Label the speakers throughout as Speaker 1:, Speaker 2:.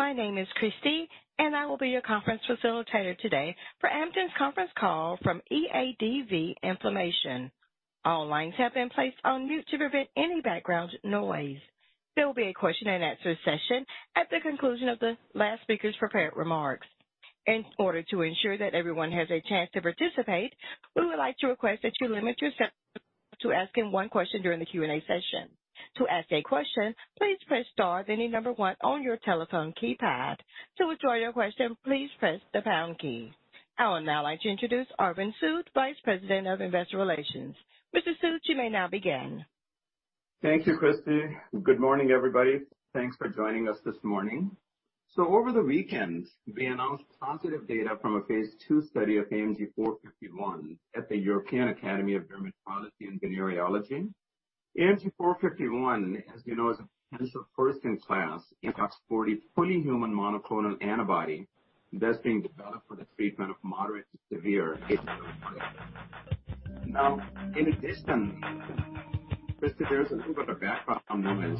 Speaker 1: My name is Christie, and I will be your conference facilitator today for Amgen's conference call from EADV Inflammation. All lines have been placed on mute to prevent any background noise. There will be a question and answer session at the conclusion of the last speaker's prepared remarks. In order to ensure that everyone has a chance to participate, we would like to request that you limit yourself to asking one question during the Q&A session. To ask a question, please press star, then the number 1 on your telephone keypad. To withdraw your question, please press the pound key. I would now like to introduce Arvind Sood, Vice President of Investor Relations. Mr. Sood, you may now begin.
Speaker 2: Thank you, Christie. Good morning, everybody. Thanks for joining us this morning. Over the weekend, we announced positive data from a phase II study of AMG 451 at the European Academy of Dermatology and Venereology. AMG 451, as you know, is a potential first-in-class OX40 fully human monoclonal antibody that's being developed for the treatment of moderate to severe psoriasis. In addition, Christie, there's a little bit of background noise.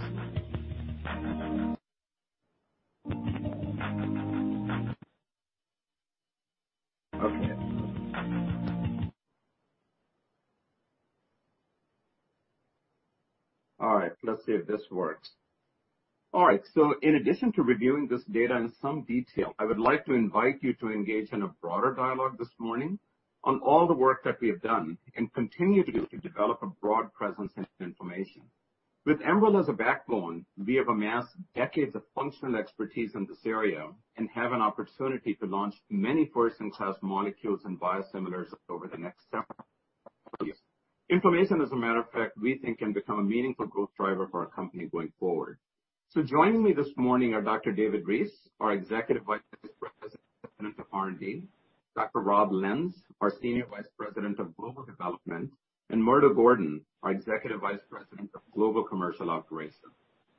Speaker 2: Okay. All right, let's see if this works. All right, in addition to reviewing this data in some detail, I would like to invite you to engage in a broader dialogue this morning on all the work that we have done and continue to do to develop a broad presence in inflammation. With Enbrel as a backbone, we have amassed decades of functional expertise in this area and have an opportunity to launch many first-in-class molecules and biosimilars over the next several years. Inflammation, as a matter of fact, we think can become a meaningful growth driver for our company going forward. Joining me this morning are Dr. David Reese, our Executive Vice President of R&D, Dr. Rob Lenz, our Senior Vice President of Global Development, and Murdo Gordon, our Executive Vice President of Global Commercial Operations.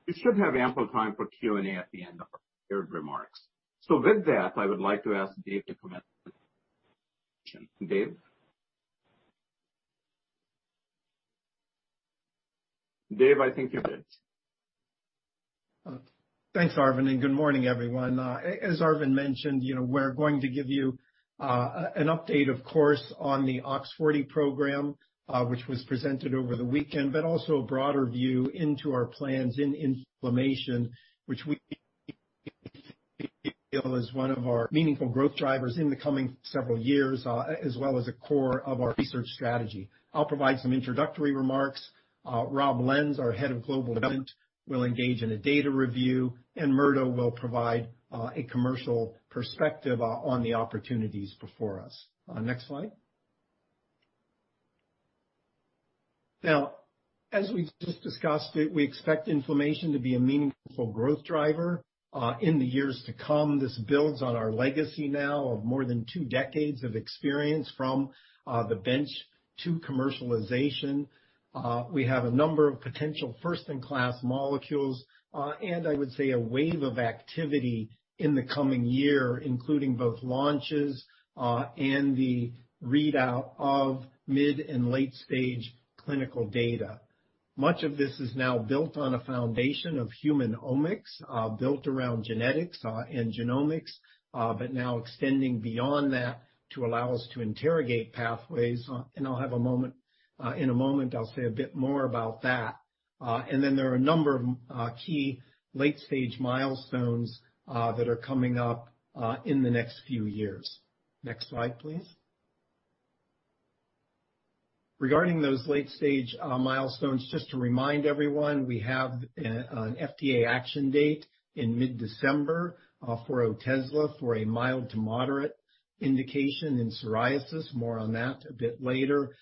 Speaker 2: We should have ample time for Q&A at the end of our prepared remarks. With that, I would like to ask Dave to commence. Dave? Dave, I think you're mute.
Speaker 3: Thanks, Arvind. Good morning, everyone. As Arvind mentioned, we're going to give you an update, of course, on the OX40 program, which was presented over the weekend, also a broader view into our plans in inflammation, which we feel is one of our meaningful growth drivers in the coming several years, as well as a core of our research strategy. I'll provide some introductory remarks. Rob Lenz, our Head of Global Development, will engage in a data review, Murdo will provide a commercial perspective on the opportunities before us. Next slide. As we've just discussed, we expect inflammation to be a meaningful growth driver in the years to come. This builds on our legacy now of more than two decades of experience from the bench to commercialization. We have a number of potential first-in-class molecules and I would say a wave of activity in the coming year, including both launches and the readout of mid- and late-stage clinical data. Much of this is now built on a foundation of human omics, built around genetics and genomics, but now extending beyond that to allow us to interrogate pathways. In a moment, I'll say a bit more about that. There are a number of key late-stage milestones that are coming up in the next few years. Next slide, please. Regarding those late-stage milestones, just to remind everyone, we have an FDA action date in mid-December for Otezla for a mild to moderate indication in psoriasis, more on that a bit later.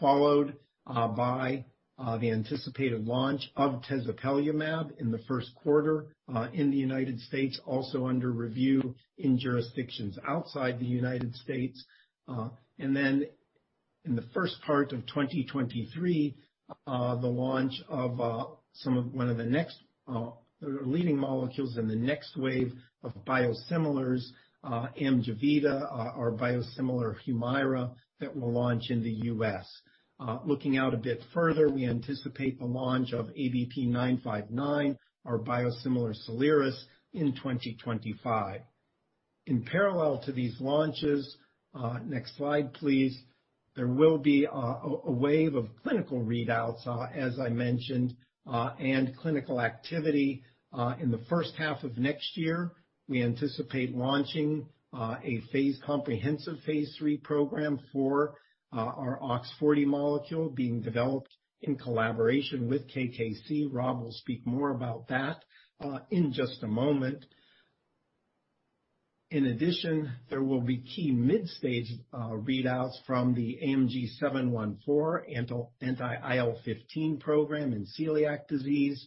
Speaker 3: Followed by the anticipated launch of tezepelumab in the first quarter in the U.S., also under review in jurisdictions outside the U.S. In the first part of 2023, the launch of one of the next leading molecules in the next wave of biosimilars, AMGEVITA, our biosimilar Humira, that will launch in the U.S. Looking out a bit further, we anticipate the launch of ABP 959, our biosimilar Soliris, in 2025. In parallel to these launches, next slide, please, there will be a wave of clinical readouts, as I mentioned, and clinical activity. In the first half of next year, we anticipate launching a comprehensive phase III program for our OX40 molecule being developed in collaboration with KKC. Rob will speak more about that in just a moment. In addition, there will be key mid-stage readouts from the AMG 714 anti-IL-15 program in celiac disease,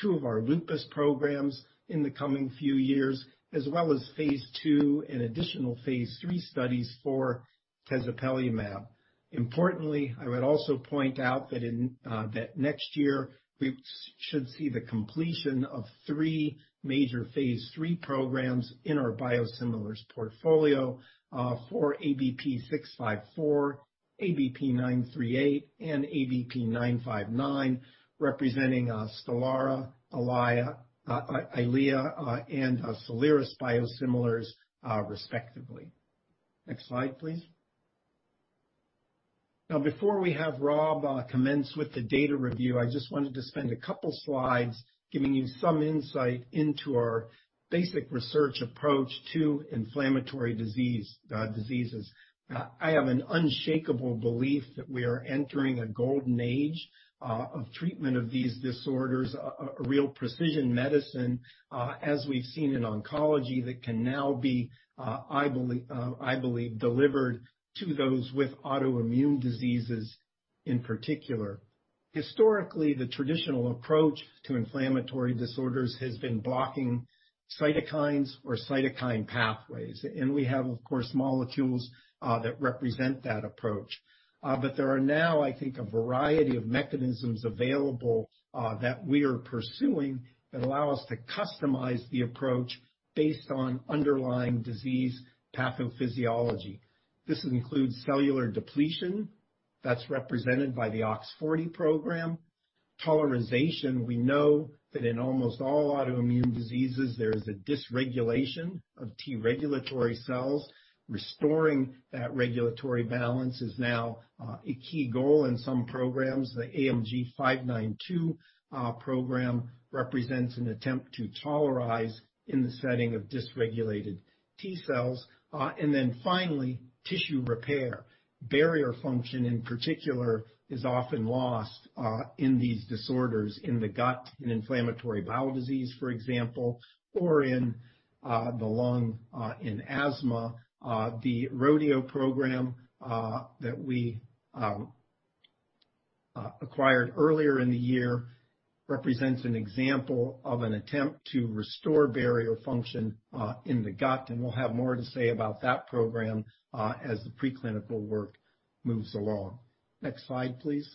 Speaker 3: two of our lupus programs in the coming few years, as well as phase II and additional phase III studies for tezepelumab. Importantly, I would also point out that next year we should see the completion of three major phase III programs in our biosimilars portfolio, for ABP 654, ABP 938, and ABP 959, representing STELARA, EYLEA, and Soliris biosimilars, respectively. Next slide, please. Before we have Rob commence with the data review, I just wanted to spend a couple slides giving you some insight into our basic research approach to inflammatory diseases. I have an unshakable belief that we are entering a golden age of treatment of these disorders, a real precision medicine, as we've seen in oncology that can now be, I believe, delivered to those with autoimmune diseases in particular. Historically, the traditional approach to inflammatory disorders has been blocking cytokines or cytokine pathways, and we have, of course, molecules that represent that approach. There are now, I think, a variety of mechanisms available that we are pursuing that allow us to customize the approach based on underlying disease pathophysiology. This includes cellular depletion, that's represented by the OX40 program. Tolerization, we know that in almost all autoimmune diseases, there is a dysregulation of T-regulatory cells. Restoring that regulatory balance is now a key goal in some programs. The AMG 592 program represents an attempt to tolerize in the setting of dysregulated T-cells. Then finally, tissue repair. Barrier function, in particular, is often lost in these disorders in the gut, in inflammatory bowel disease, for example, or in the lung in asthma. The Rodeo program that we acquired earlier in the year represents an example of an attempt to restore barrier function in the gut, and we'll have more to say about that program as the preclinical work moves along. Next slide, please.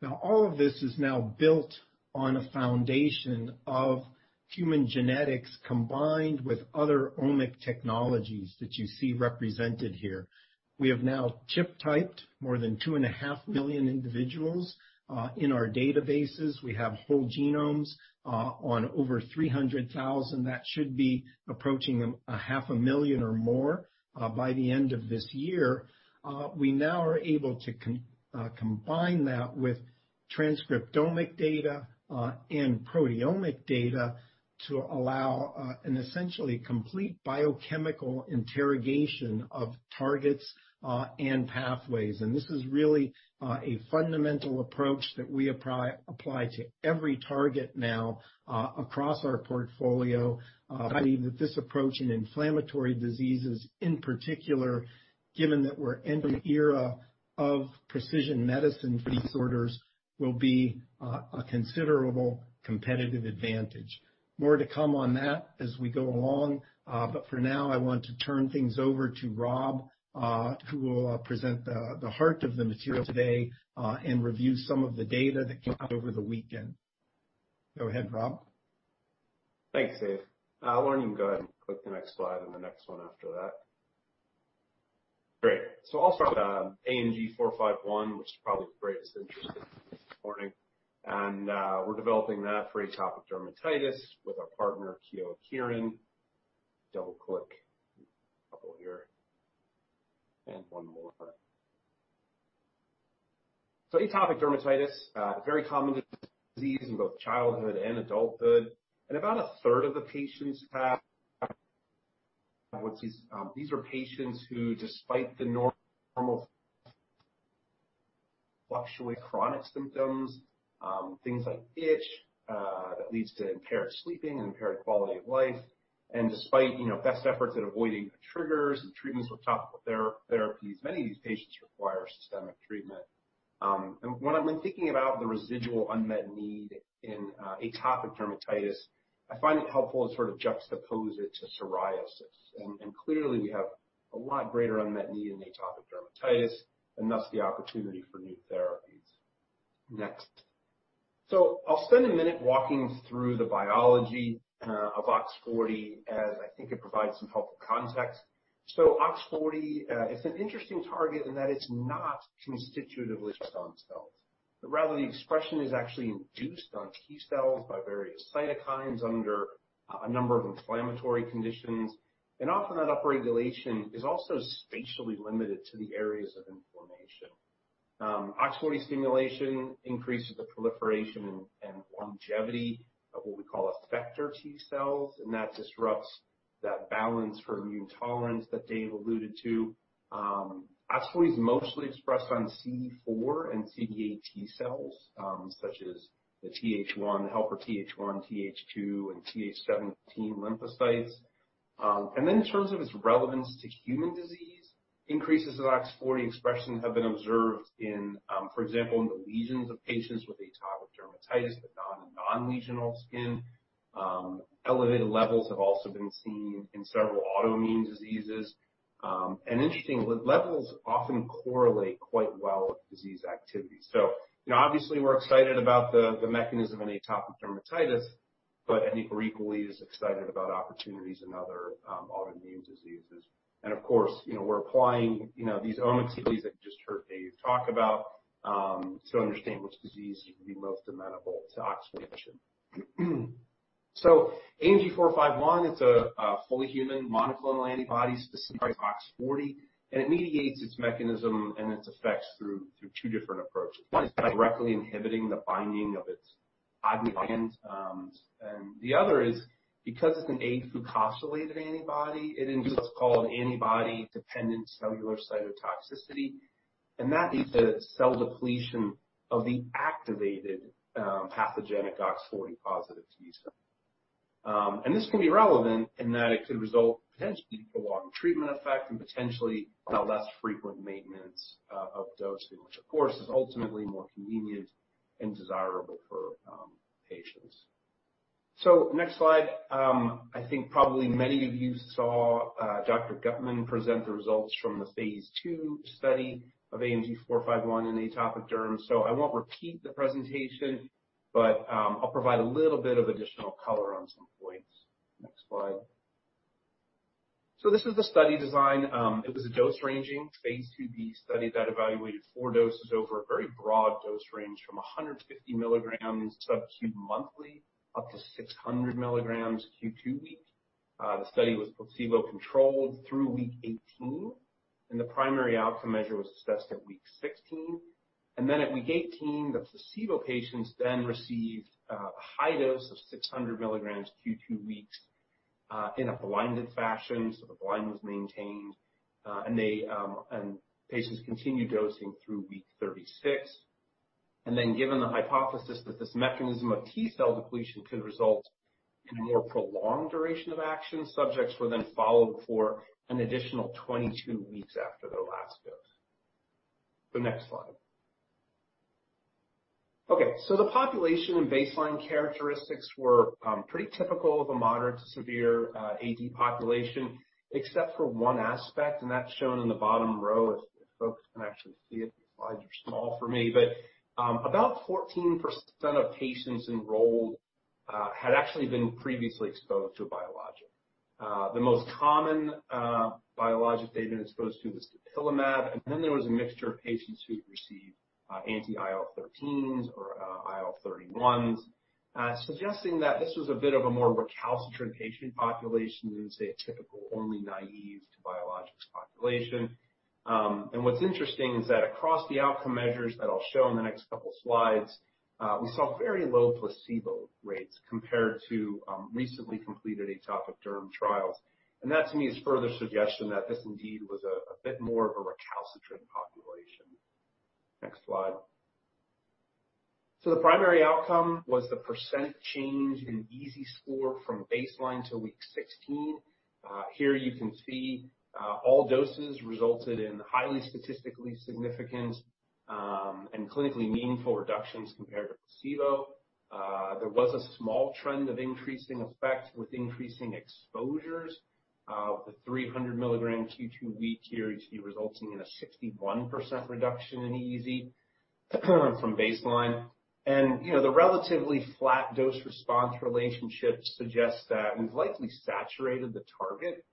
Speaker 3: Now, all of this is now built on a foundation of human genetics combined with other omic technologies that you see represented here. We have now chip typed more than 2.5 million individuals in our databases. We have whole genomes on over 300,000. That should be approaching 0.5 million or more by the end of this year. This is really a fundamental approach that we apply to every target now across our portfolio. I believe that this approach in inflammatory diseases, in particular, given that we're entering an era of precision medicine disorders, will be a considerable competitive advantage. More to come on that as we go along. For now, I want to turn things over to Rob, who will present the heart of the material today and review some of the data that came out over the weekend. Go ahead, Rob.
Speaker 4: Thanks, Dave. Why don't you go ahead and click the next slide and the next one after that. Great. I'll start with AMG 451, which is probably of greatest interest this morning. We're developing that for atopic dermatitis with our partner, Kyowa Kirin. Double click a couple here. One more. Atopic dermatitis, a very common disease in both childhood and adulthood. These are patients who, despite the normal, fluctuating chronic symptoms, things like itch, that leads to impaired sleeping and impaired quality of life. Despite best efforts at avoiding triggers and treatments with topical therapies, many of these patients require systemic treatment. When I'm thinking about the residual unmet need in atopic dermatitis, I find it helpful to sort of juxtapose it to psoriasis. Clearly, we have a lot greater unmet need in atopic dermatitis, and thus the opportunity for new therapies. Next. I'll spend a minute walking through the biology of OX40, as I think it provides some helpful context. OX40 is an interesting target in that it's not constitutively expressed on cells, but rather the expression is actually induced on T cells by various cytokines under a number of inflammatory conditions. Often that upregulation is also spatially limited to the areas of inflammation. OX40 stimulation increases the proliferation and longevity of what we call effector T cells, and that disrupts that balance for immune tolerance that Dave alluded to. OX40 is mostly expressed on CD4 and CD8 T cells, such as the helper TH1, TH2, and TH17 lymphocytes. In terms of its relevance to human disease, increases in OX40 expression have been observed in for example, in the lesions of patients with atopic dermatitis, but not in non-lesional skin. Elevated levels have also been seen in several autoimmune diseases. Interestingly, levels often correlate quite well with disease activity. Obviously we're excited about the mechanism in atopic dermatitis, but I think we're equally as excited about opportunities in other autoimmune diseases. Of course, we're applying these omic strategies that you just heard Dave talk about to understand which diseases would be most amenable to OX40. AMG 451, it's a fully human monoclonal antibody specific for OX40, and it mediates its mechanism and its effects through two different approaches. One is by directly inhibiting the binding of its ligand. The other is because it's an afucosylated antibody, it induces what's called antibody-dependent cellular cytotoxicity, and that leads to cell depletion of the activated pathogenic OX40 positive T cells. This can be relevant in that it could result potentially in a prolonged treatment effect and potentially less frequent maintenance of dosing, which of course is ultimately more convenient and desirable for patients. Next slide. I think probably many of you saw Dr. Guttman present the results from the phase II study of AMG 451 in atopic derm. I won't repeat the presentation, but I'll provide a little bit of additional color on some points. Next slide. This is the study design. It was a dose-ranging phase IIb study that evaluated four doses over a very broad dose range from 150 mg subcutaneous monthly up to 600 mg Q2W. The study was placebo-controlled through week 18, and the primary outcome measure was assessed at week 16. At week 18, the placebo patients then received a high dose of 600 mg Q2W in a blinded fashion. The blind was maintained, and patients continued dosing through week 36. Given the hypothesis that this mechanism of T-cell depletion could result in a more prolonged duration of action, subjects were then followed for an additional 22 weeks after their last dose. Next slide. Okay, the population and baseline characteristics were pretty typical of a moderate to severe AD population, except for one aspect, and that's shown in the bottom row if folks can actually see it. These slides are small for me, but about 14% of patients enrolled had actually been previously exposed to a biologic. The most common biologic they'd been exposed to was dupilumab, then there was a mixture of patients who'd received anti-IL-13s or IL-31s, suggesting that this was a bit of a more recalcitrant patient population than, say, a typical only naive to biologics population. What's interesting is that across the outcome measures that I'll show in the next couple slides, we saw very low placebo rates compared to recently completed atopic derm trials. That to me is further suggestion that this indeed was a bit more of a recalcitrant population. Next slide. The primary outcome was the percent change in EASI score from baseline to week 16. Here you can see all doses resulted in highly statistically significant and clinically meaningful reductions compared to placebo. There was a small trend of increasing effect with increasing exposures, with the 300 mg Q2W here resulting in a 61% reduction in EASI from baseline. The relatively flat dose response relationship suggests that we've likely saturated the target.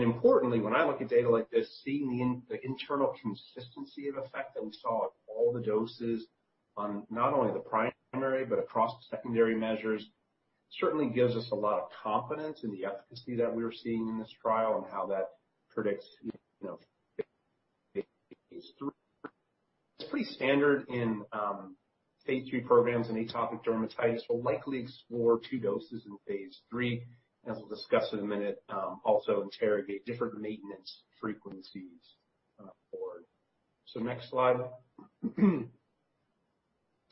Speaker 4: Importantly, when I look at data like this, seeing the internal consistency of effect that we saw at all the doses on not only the primary but across the secondary measures certainly gives us a lot of confidence in the efficacy that we're seeing in this trial and how that predicts phase III. It's pretty standard in phase III programs in atopic dermatitis. We'll likely explore two doses in phase III. As we'll discuss in a minute, also interrogate different maintenance frequencies forward. Next slide.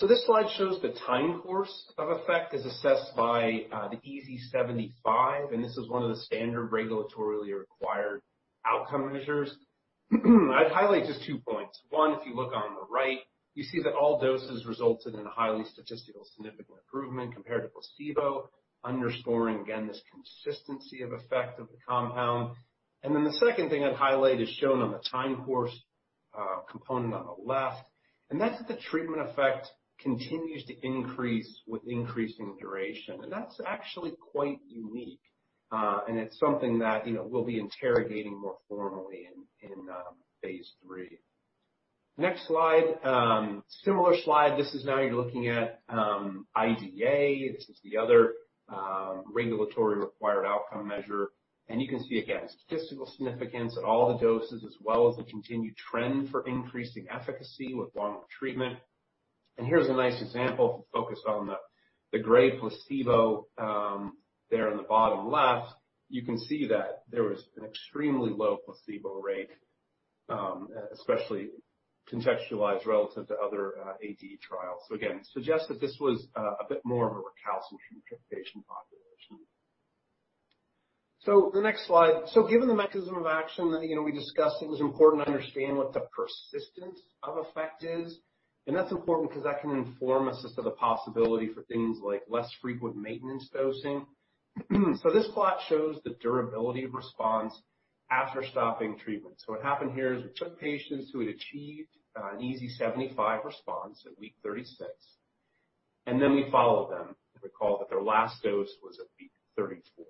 Speaker 4: This slide shows the time course of effect as assessed by the EASI-75, and this is one of the standard regulatorily required outcome measures. I'd highlight just two points. One, if you look on the right, you see that all doses resulted in a highly statistical significant improvement compared to placebo, underscoring again this consistency of effect of the compound. Then the second thing I'd highlight is shown on the time course component on the left, and that's that the treatment effect continues to increase with increasing duration. That's actually quite unique. It's something that we'll be interrogating more formally in phase III. Next slide. Similar slide. This is now you're looking at IGA. This is the other regulatory required outcome measure. You can see again statistical significance at all the doses as well as the continued trend for increasing efficacy with longer treatment. Here's a nice example. If we focus on the gray placebo there on the bottom left, you can see that there was an extremely low placebo rate, especially contextualized relative to other AD trials. Again, suggest that this was a bit more of a recalcitrant patient population. The next slide. Given the mechanism of action that we discussed, it was important to understand what the persistence of effect is. That's important because that can inform us as to the possibility for things like less frequent maintenance dosing. This plot shows the durability of response after stopping treatment. What happened here is we took patients who had achieved an EASI 75 response at week 36, and then we followed them. Recall that their last dose was at week 34.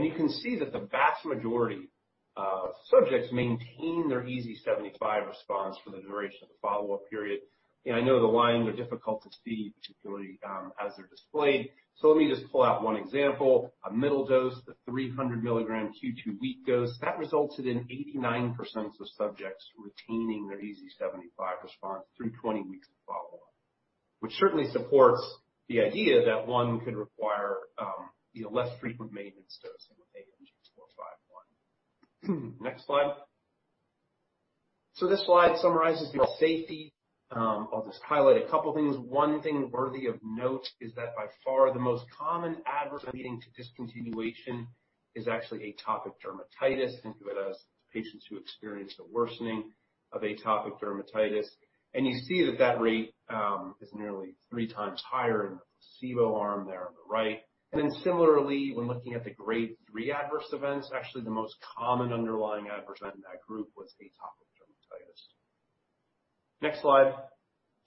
Speaker 4: You can see that the vast majority of subjects maintain their EASI-75 response for the duration of the follow-up period. I know the lines are difficult to see, particularly as they're displayed. Let me just pull out one example. A middle dose, the 300 mg Q2W dose, that resulted in 89% of subjects retaining their EASI-75 response through 20 weeks of follow-up, which certainly supports the idea that one could require less frequent maintenance dosing with AMG 451. Next slide. This slide summarizes the safety. I'll just highlight a couple things. One thing worthy of note is that by far, the most common adverse leading to discontinuation is actually atopic dermatitis. Think of it as patients who experience a worsening of atopic dermatitis. You see that that rate is nearly three times higher in the placebo arm there on the right. Similarly, when looking at the Grade 3 adverse events, actually the most common underlying adverse event in that group was atopic dermatitis. Next slide.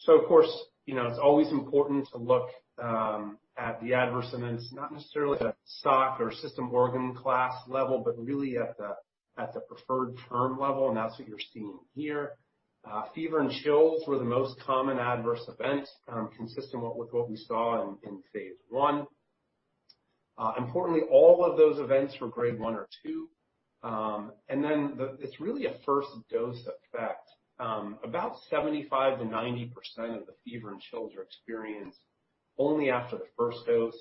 Speaker 4: Of course, it's always important to look at the adverse events, not necessarily at a SOC or System Organ Class level, but really at the preferred term level, and that's what you're seeing here. Fever and chills were the most common adverse event, consistent with what we saw in phase I. Importantly, all of those events were Grade 1 or 2. It's really a first-dose effect. About 75% to 90% of the fever and chills are experienced only after the first dose.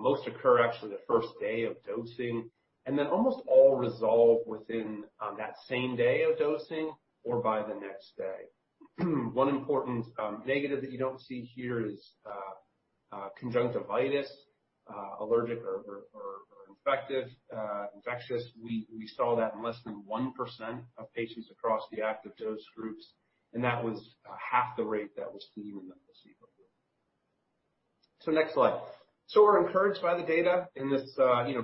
Speaker 4: Most occur actually the first day of dosing, and then almost all resolve within that same day of dosing or by the next day. One important negative that you don't see here is conjunctivitis, allergic or infectious. We saw that in less than 1% of patients across the active dose groups, and that was half the rate that was seen in the placebo group. Next slide. We're encouraged by the data in this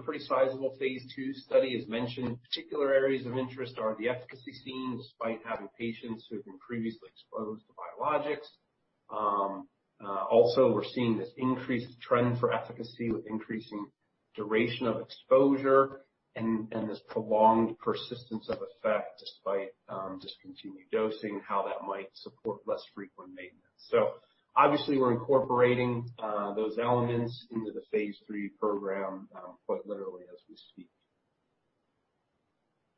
Speaker 4: pretty sizable phase II study, as mentioned. Particular areas of interest are the efficacy seen despite having patients who have been previously exposed to biologics. Also, we're seeing this increased trend for efficacy with increasing duration of exposure and this prolonged persistence of effect despite discontinued dosing, how that might support less frequent maintenance. Obviously, we're incorporating those elements into the phase III program quite literally as we speak.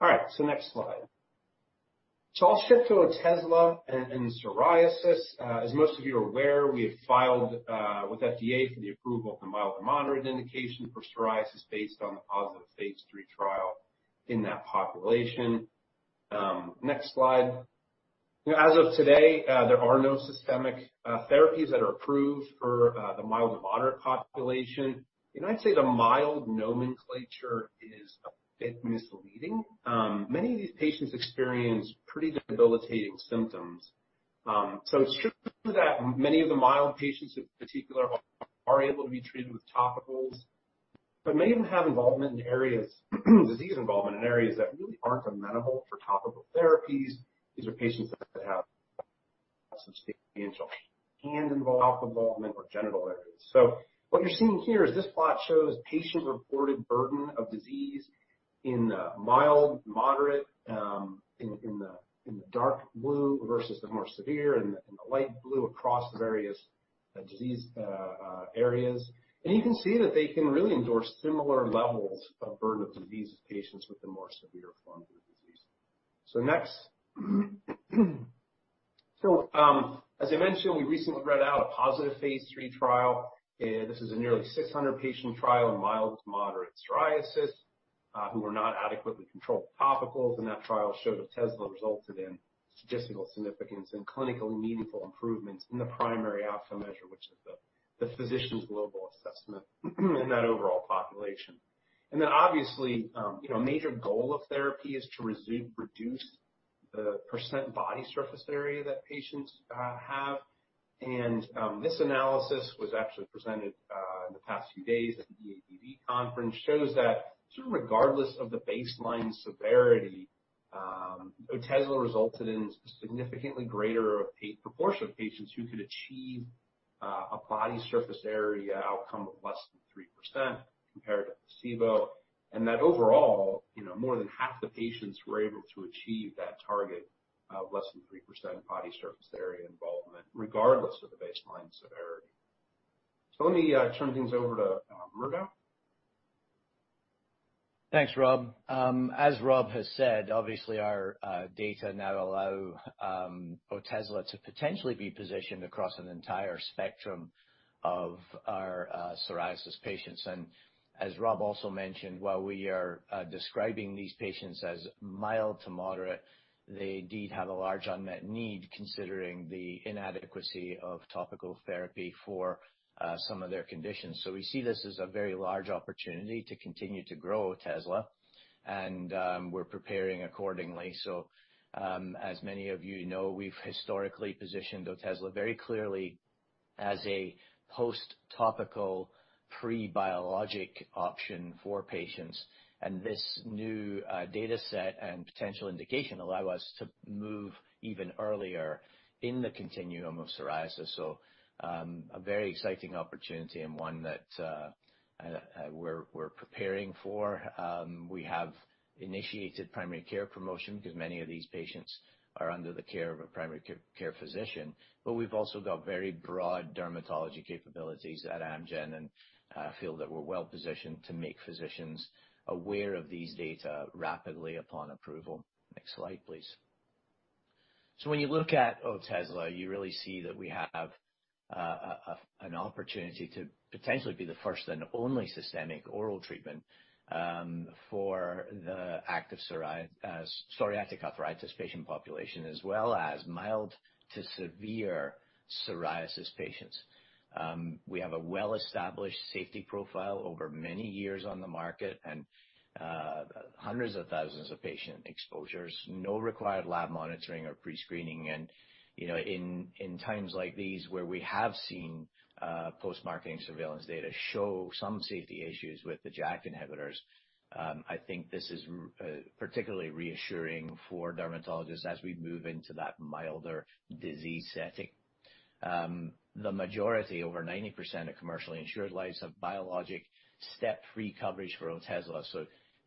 Speaker 4: All right. Next slide. I'll shift to Otezla and psoriasis. As most of you are aware, we have filed with FDA for the approval of the mild to moderate indication for psoriasis based on the positive phase III trial in that population. Next slide. There are no systemic therapies that are approved for the mild to moderate population. I'd say the mild nomenclature is a bit misleading. Many of these patients experience pretty debilitating symptoms. It's true that many of the mild patients, in particular, are able to be treated with topicals, but many of them have disease involvement in areas that really aren't amenable for topical therapies. These are patients that have substantial hand involvement or genital areas. What you're seeing here is this plot shows patient-reported burden of disease in mild, moderate in the dark blue versus the more severe in the light blue across the various disease areas. You can see that they can really endorse similar levels of burden of disease as patients with the more severe form of the disease. Next. As I mentioned, we recently read out a positive phase III trial. This is a nearly 600-patient trial in mild to moderate psoriasis who were not adequately controlled with topicals, and that trial showed Otezla resulted in statistical significance and clinically meaningful improvements in the primary outcome measure, which is the physician's global assessment in that overall population. Obviously, a major goal of therapy is to reduce the percent body surface area that patients have. This analysis was actually presented in the past few days at the EADV conference, shows that sort of regardless of the baseline severity, Otezla resulted in a significantly greater proportion of patients who could achieve a body surface area outcome of less than 3% compared to placebo, and that overall, more than half the patients were able to achieve that target of less than 3% body surface area involvement regardless of the baseline severity. Let me turn things over to Murdo.
Speaker 5: Thanks, Rob. As Rob has said, obviously our data now allow Otezla to potentially be positioned across an entire spectrum of our psoriasis patients. As Rob also mentioned, while we are describing these patients as mild to moderate, they indeed have a large unmet need considering the inadequacy of topical therapy for some of their conditions. We see this as a very large opportunity to continue to grow Otezla, and we're preparing accordingly. As many of you know, we've historically positioned Otezla very clearly as a post-topical pre-biologic option for patients. This new data set and potential indication allow us to move even earlier in the continuum of psoriasis. A very exciting opportunity and one that we're preparing for. We have initiated primary care promotion because many of these patients are under the care of a primary care physician, but we've also got very broad dermatology capabilities at Amgen, and I feel that we're well-positioned to make physicians aware of these data rapidly upon approval. Next slide, please. When you look at Otezla, you really see that we have an opportunity to potentially be the first and only systemic oral treatment for the active psoriatic arthritis patient population, as well as mild to severe psoriasis patients. We have a well-established safety profile over many years on the market and hundreds of thousands of patient exposures. No required lab monitoring or pre-screening. In times like these, where we have seen post-marketing surveillance data show some safety issues with the JAK inhibitors, I think this is particularly reassuring for dermatologists as we move into that milder disease setting. The majority, over 90% of commercially insured lives, have biologic step-free coverage for Otezla.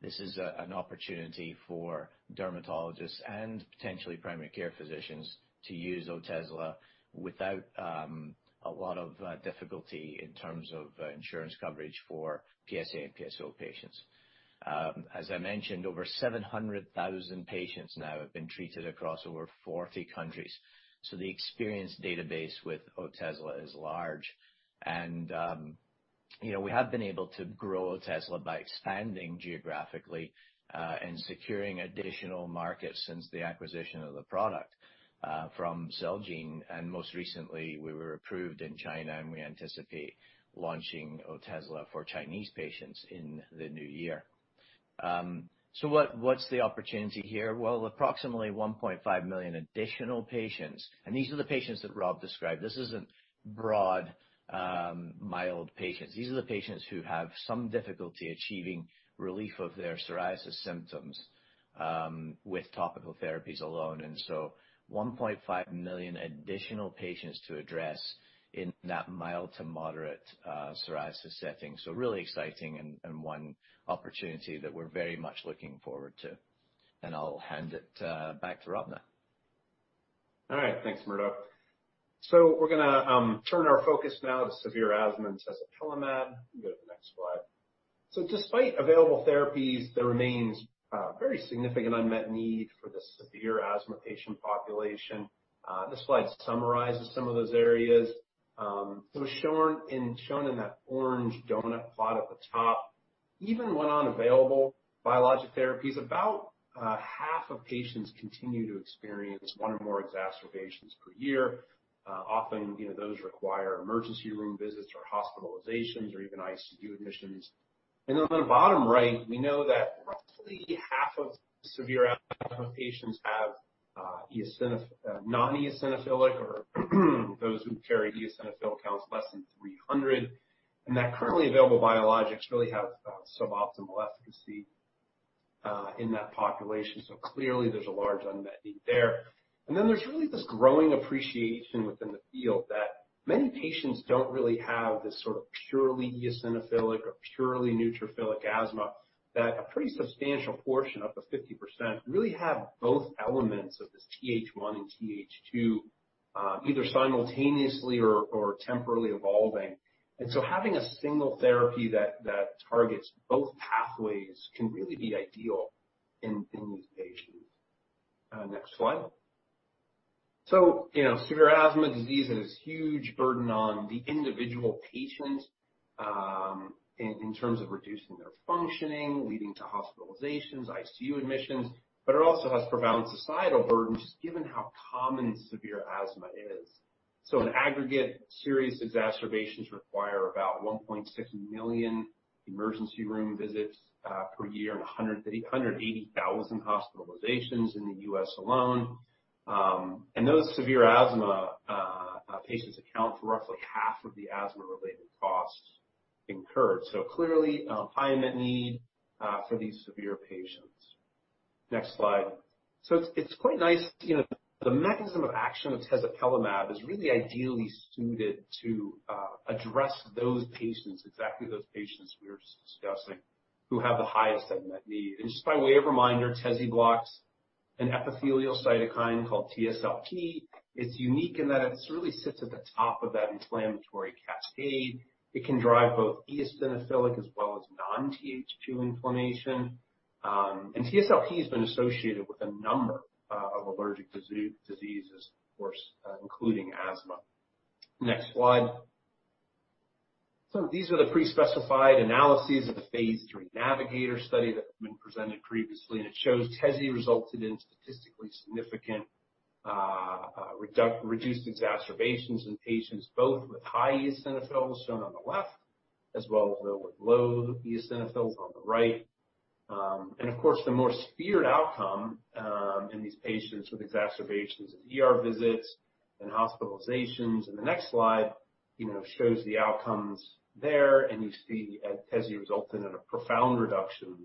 Speaker 5: This is an opportunity for dermatologists and potentially primary care physicians to use Otezla without a lot of difficulty in terms of insurance coverage for PsA and PsO patients. As I mentioned, over 700,000 patients now have been treated across over 40 countries. The experience database with Otezla is large. We have been able to grow Otezla by expanding geographically and securing additional markets since the acquisition of the product from Celgene. Most recently, we were approved in China, and we anticipate launching Otezla for Chinese patients in the new year. What's the opportunity here? Well, approximately 1.5 million additional patients, and these are the patients that Rob described. This isn't broad, mild patients. These are the patients who have some difficulty achieving relief of their psoriasis symptoms with topical therapies alone. 1.5 million additional patients to address in that mild to moderate psoriasis setting. Really exciting and one opportunity that we're very much looking forward to. I'll hand it back to Rob now.
Speaker 4: All right. Thanks, Murdo. We're going to turn our focus now to severe asthma and tezepelumab. You can go to the next slide. Despite available therapies, there remains a very significant unmet need for the severe asthma patient population. This slide summarizes some of those areas. Shown in that orange donut plot at the top, even when on available biologic therapies, about half of patients continue to experience one or more exacerbations per year. Often, those require emergency room visits or hospitalizations, or even ICU admissions. On the bottom right, we know that roughly half of severe asthma patients have non-eosinophilic or those who carry eosinophil counts less than 300, and that currently available biologics really have suboptimal efficacy in that population. Clearly, there's a large unmet need there. There's really this growing appreciation within the field that many patients don't really have this sort of purely eosinophilic or purely neutrophilic asthma. A pretty substantial portion, up to 50%, really have both elements of this TH1 and TH2, either simultaneously or temporarily evolving. Having a single therapy that targets both pathways can really be ideal in these patients. Next slide. Severe asthma disease is a huge burden on the individual patient in terms of reducing their functioning, leading to hospitalizations, ICU admissions. It also has profound societal burdens given how common severe asthma is. In aggregate, serious exacerbations require about 1.6 million emergency room visits per year and 180,000 hospitalizations in the U.S. alone. Those severe asthma patients account for roughly half of the asthma-related costs incurred. Clearly, unmet need for these severe patients. Next slide. It's quite nice. The mechanism of action of tezepelumab is really ideally suited to address those patients, exactly those patients we were just discussing, who have the highest unmet need. Just by way of reminder, Tezspire blocks an epithelial cytokine called TSLP. It's unique in that it really sits at the top of that inflammatory cascade. It can drive both eosinophilic as well as non-TH2 inflammation. TSLP has been associated with a number of allergic diseases, of course including asthma. Next slide. These are the pre-specified analyses of the phase III NAVIGATOR study that's been presented previously, and it shows Tezspire resulted in statistically significant reduced exacerbations in patients both with high eosinophils, shown on the left, as well as those with low eosinophils on the right. Of course, the more feared outcome in these patients with exacerbations is ER visits and hospitalizations. The next slide shows the outcomes there, and you see Tezspire resulted in a profound reduction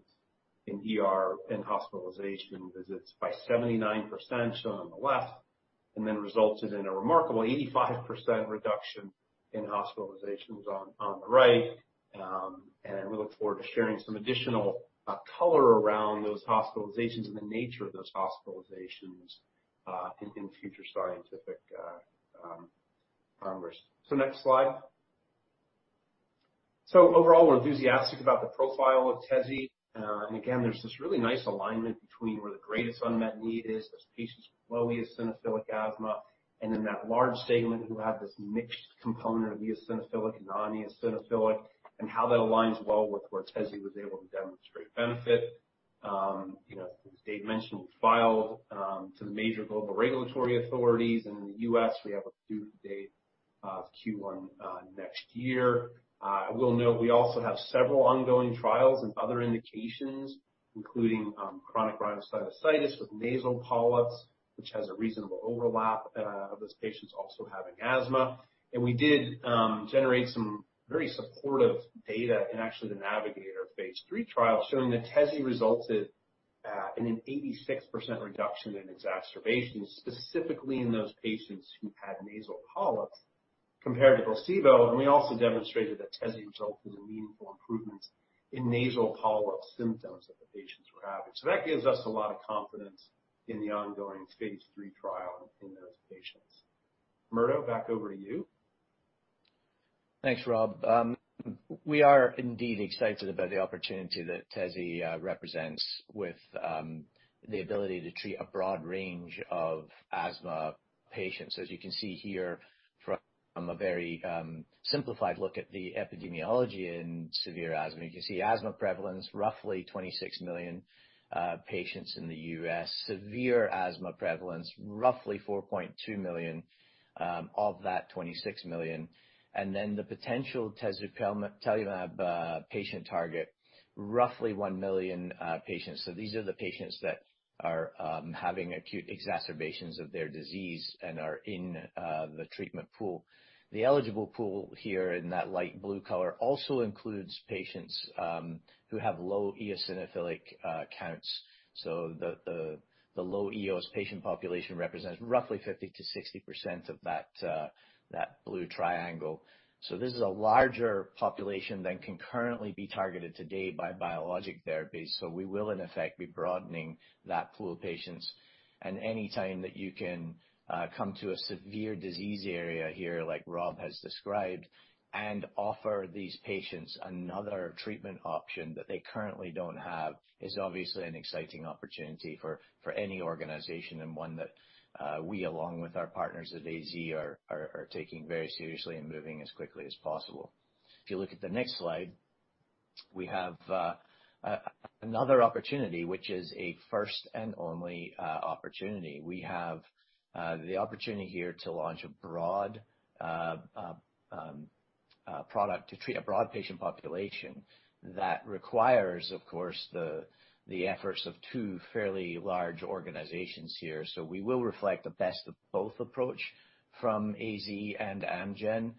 Speaker 4: in ER and hospitalization visits by 79%, shown on the left, then resulted in a remarkable 85% reduction in hospitalizations on the right. We look forward to sharing some additional color around those hospitalizations and the nature of those hospitalizations in future scientific congresses. Next slide. Overall, we're enthusiastic about the profile of Tezspire. Again, there's this really nice alignment between where the greatest unmet need is, those patients with low eosinophilic asthma, and then that large segment who have this mixed component of eosinophilic and non-eosinophilic and how that aligns well with where Tezspire was able to demonstrate benefit. As Dave mentioned, we filed to the major global regulatory authorities. In the U.S., we have a due date of Q1 next year. I will note we also have several ongoing trials in other indications, including chronic rhinosinusitis with nasal polyps, which has a reasonable overlap of those patients also having asthma. We did generate some very supportive data in actually the NAVIGATOR phase III trial showing that tezie resulted in an 86% reduction in exacerbations, specifically in those patients who had nasal polyps compared to placebo. We also demonstrated that tezie resulted in meaningful improvements in nasal polyp symptoms that the patients were having. That gives us a lot of confidence in the ongoing phase III trial in those patients. Murdo, back over to you.
Speaker 5: Thanks, Rob. We are indeed excited about the opportunity that Tezie represents with the ability to treat a broad range of asthma patients. As you can see here from a very simplified look at the epidemiology in severe asthma, you can see asthma prevalence, roughly 26 million patients in the U.S., severe asthma prevalence, roughly 4.2 million of that 26 million. The potential tezepelumab patient target, roughly 1 million patients. These are the patients that are having acute exacerbations of their disease and are in the treatment pool. The eligible pool here in that light blue color also includes patients who have low eosinophilic counts. The low eos patient population represents roughly 50%-60% of that blue triangle. This is a larger population than can currently be targeted today by biologic therapies. We will, in effect, be broadening that pool of patients. Any time that you can come to a severe disease area here, like Rob has described, and offer these patients another treatment option that they currently don't have is obviously an exciting opportunity for any organization and one that we, along with our partners at AZ, are taking very seriously and moving as quickly as possible. If you look at the next slide, we have another opportunity, which is a first and only opportunity. We have the opportunity here to launch a broad product to treat a broad patient population. That requires, of course, the efforts of two fairly large organizations here. We will reflect the best of both approach from AZ and Amgen.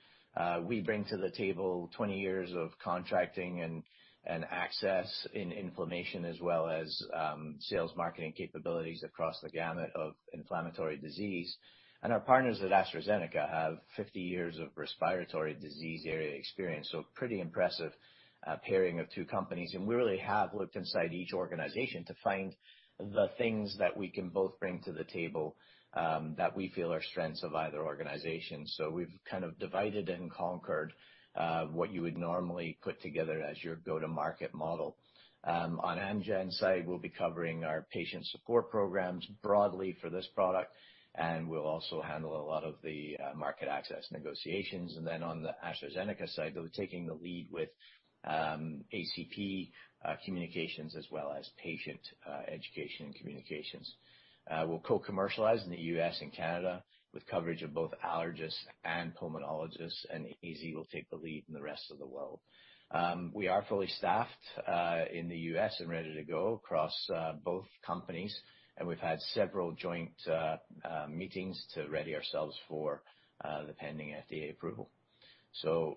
Speaker 5: We bring to the table 20 years of contracting and access in inflammation as well as sales marketing capabilities across the gamut of inflammatory disease. Our partners at AstraZeneca have 50 years of respiratory disease area experience. Pretty impressive pairing of two companies. We really have looked inside each organization to find the things that we can both bring to the table that we feel are strengths of either organization. We've kind of divided and conquered what you would normally put together as your go-to-market model. On Amgen's side, we'll be covering our patient support programs broadly for this product, and we'll also handle a lot of the market access negotiations. Then on the AstraZeneca side, they'll be taking the lead with HCP communications as well as patient education and communications. We'll co-commercialize in the U.S. and Canada with coverage of both allergists and pulmonologists, and AZ will take the lead in the rest of the world. We are fully staffed in the U.S. and ready to go across both companies, and we've had several joint meetings to ready ourselves for the pending FDA approval.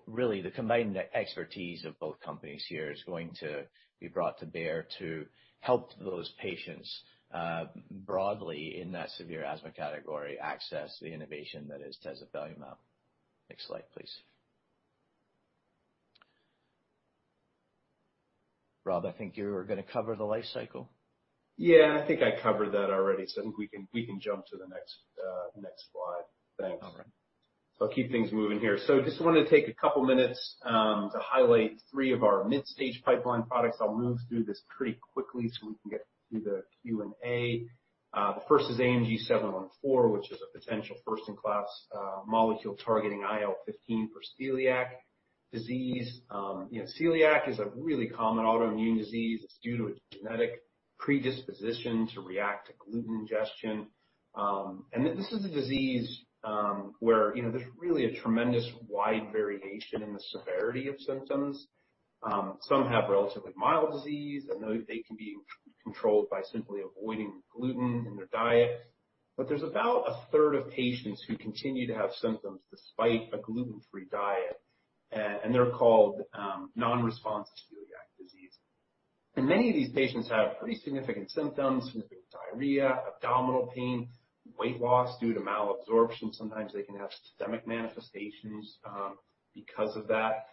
Speaker 5: Really, the combined expertise of both companies here is going to be brought to bear to help those patients broadly in that severe asthma category access the innovation that is tezepelumab. Next slide, please. Rob, I think you were going to cover the life cycle.
Speaker 4: Yeah, I think I covered that already. I think we can jump to the next slide. Thanks.
Speaker 5: All right.
Speaker 4: I'll keep things moving here. Just wanted to take a couple minutes to highlight three of our mid-stage pipeline products. I'll move through this pretty quickly so we can get to the Q&A. The first is AMG 714, which is a potential first-in-class molecule targeting IL-15 for celiac disease. Celiac is a really common autoimmune disease. It's due to a genetic predisposition to react to gluten ingestion. This is a disease where there's really a tremendous wide variation in the severity of symptoms. Some have relatively mild disease, and they can be controlled by simply avoiding gluten in their diet. There's about a third of patients who continue to have symptoms despite a gluten-free diet, and they're called non-responsive celiac disease. Many of these patients have pretty significant symptoms, significant diarrhea, abdominal pain, weight loss due to malabsorption. Sometimes they can have systemic manifestations because of that.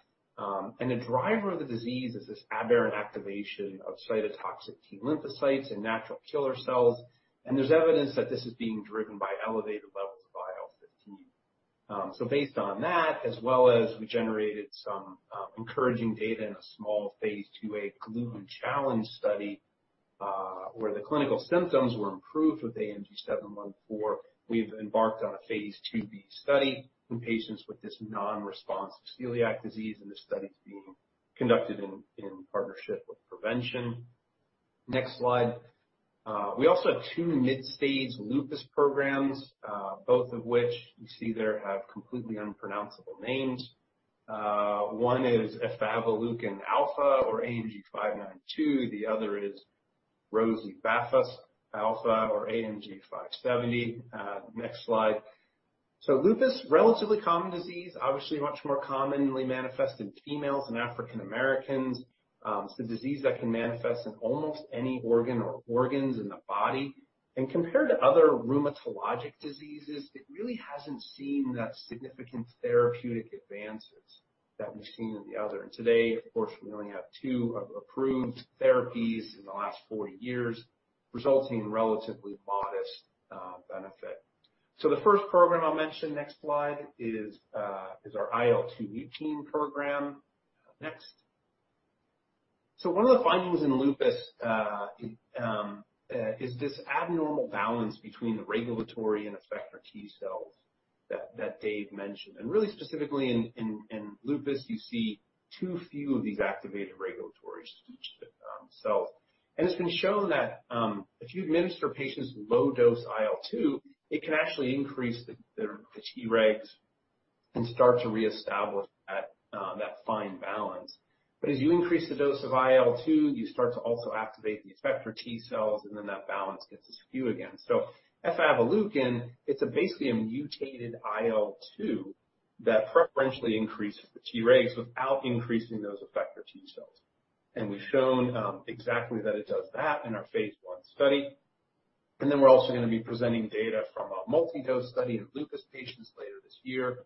Speaker 4: The driver of the disease is this aberrant activation of cytotoxic T-lymphocytes and natural killer cells, and there's evidence that this is being driven by elevated levels of IL-15. Based on that, as well as we generated some encouraging data in a small phase IIa gluten challenge study, where the clinical symptoms were improved with AMG 714, we've embarked on a phase IIb study in patients with this non-responsive celiac disease, and this study's being conducted in partnership with Provention Bio. Next slide. We also have two mid-stage lupus programs, both of which you see there have completely unpronounceable names. One is efavaleukin alfa or AMG 592. The other is rozibafusp alfa or AMG 570. Next slide. Lupus, relatively common disease, obviously much more commonly manifest in females than African Americans. It's a disease that can manifest in almost any organ or organs in the body. Compared to other rheumatologic diseases, it really hasn't seen that significant therapeutic advances that we've seen in the other. Today, of course, we only have two approved therapies in the last 40 years, resulting in relatively modest benefit. The first program I'll mention, next slide, is our IL-2 mutein program. Next. One of the findings in lupus is this abnormal balance between the regulatory and effector T cells that Dave mentioned. Really specifically in lupus, you see too few of these activated regulatory T cells. It's been shown that if you administer patients low-dose IL-2, it can actually increase the T regs and start to reestablish that fine balance. As you increase the dose of IL-2, you start to also activate the effector T cells, and then that balance gets askew again. efavaleukin alfa, it's basically a mutated IL-2 that preferentially increases the Tregs without increasing those effector T cells. We've shown exactly that it does that in our phase I study. Then we're also going to be presenting data from a multi-dose study in lupus patients later this year.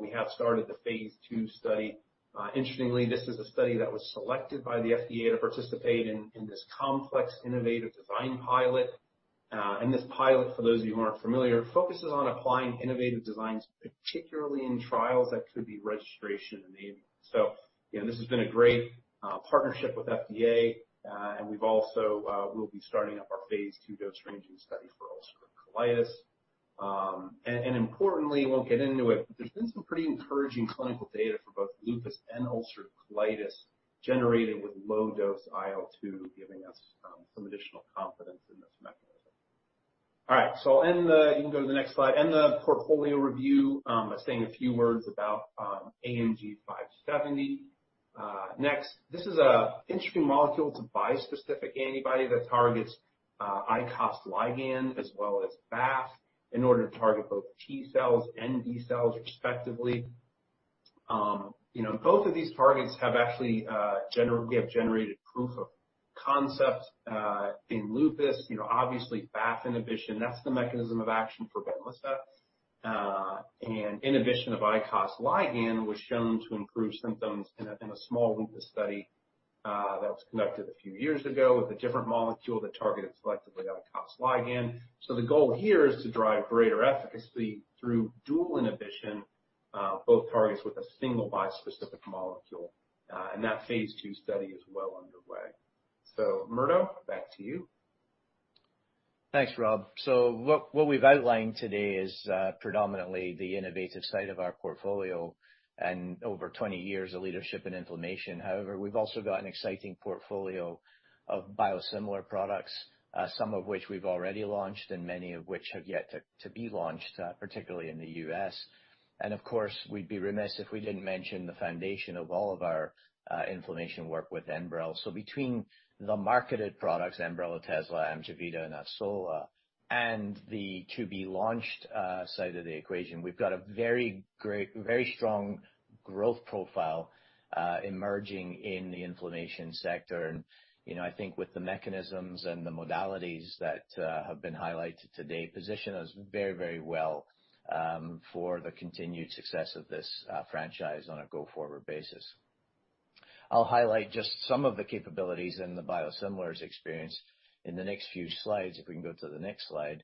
Speaker 4: We have started the phase II study. Interestingly, this is a study that was selected by the FDA to participate in this Complex Innovative Design Pilot. This pilot, for those of you who aren't familiar, focuses on applying innovative designs, particularly in trials that could be registration-enabled. This has been a great partnership with FDA. We'll be starting up our phase II dose-ranging study for ulcerative colitis. Importantly, I won't get into it, there's been some pretty encouraging clinical data for both lupus and ulcerative colitis generated with low-dose IL-2, giving us some additional confidence in this mechanism. All right. You can go to the next slide. I'll end the portfolio review by saying a few words about AMG 570. Next. This is an interesting molecule. It's a bispecific antibody that targets ICOS ligand as well as BAFF in order to target both T cells and B cells respectively. Both of these targets have actually generated proof of concept in lupus. Obviously, BAFF inhibition, that's the mechanism of action for BENLYSTA. Inhibition of ICOS ligand was shown to improve symptoms in a small lupus study that was conducted a few years ago with a different molecule that targeted selectively ICOS ligand. The goal here is to drive greater efficacy through dual inhibition, both targets with a single bispecific molecule. That phase II study is well underway. Murdo, back to you.
Speaker 5: Thanks, Rob. What we've outlined today is predominantly the innovative side of our portfolio and over 20 years of leadership in inflammation. However, we've also got an exciting portfolio of biosimilar products some of which we've already launched and many of which have yet to be launched, particularly in the U.S. Of course, we'd be remiss if we didn't mention the foundation of all of our inflammation work with Enbrel. Between the marketed products, Enbrel, Otezla, AMJEVITA, and AVSOLA, and the to-be-launched side of the equation, we've got a very strong growth profile emerging in the inflammation sector. I think with the mechanisms and the modalities that have been highlighted today position us very well for the continued success of this franchise on a go-forward basis. I'll highlight just some of the capabilities in the biosimilars experience in the next few slides. If we can go to the next slide.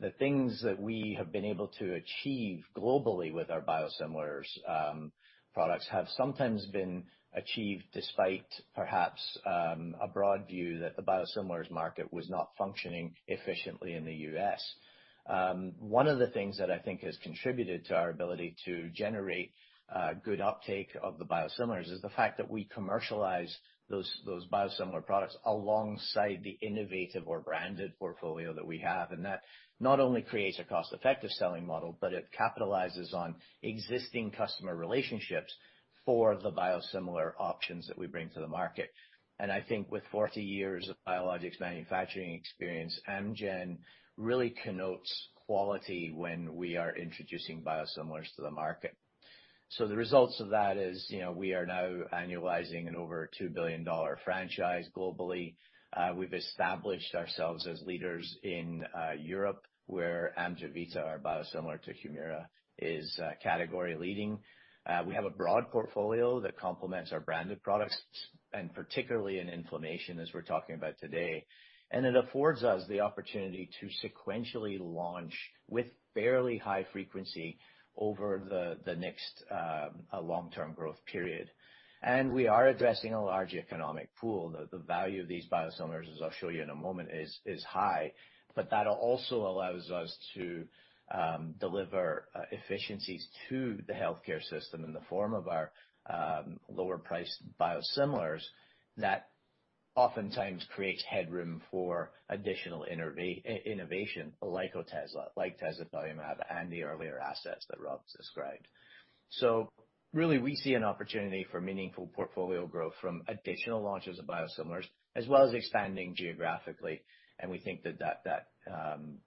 Speaker 5: The things that we have been able to achieve globally with our biosimilars products have sometimes been achieved despite perhaps a broad view that the biosimilars market was not functioning efficiently in the U.S. One of the things that I think has contributed to our ability to generate good uptake of the biosimilars is the fact that we commercialize those biosimilar products alongside the innovative or branded portfolio that we have. That not only creates a cost-effective selling model, but it capitalizes on existing customer relationships for the biosimilar options that we bring to the market. I think with 40 years of biologics manufacturing experience, Amgen really connotes quality when we are introducing biosimilars to the market. The results of that is, we are now annualizing an over $2 billion franchise globally. We've established ourselves as leaders in Europe, where AMJEVITA, our biosimilar to Humira, is category leading. We have a broad portfolio that complements our branded products, particularly in inflammation, as we're talking about today. It affords us the opportunity to sequentially launch with fairly high frequency over the next long-term growth period. We are addressing a large economic pool. The value of these biosimilars, as I'll show you in a moment, is high. That also allows us to deliver efficiencies to the healthcare system in the form of our lower priced biosimilars that oftentimes creates headroom for additional innovation like Otezla, like tezepelumab, and the earlier assets that Rob described. Really, we see an opportunity for meaningful portfolio growth from additional launches of biosimilars, as well as expanding geographically. We think that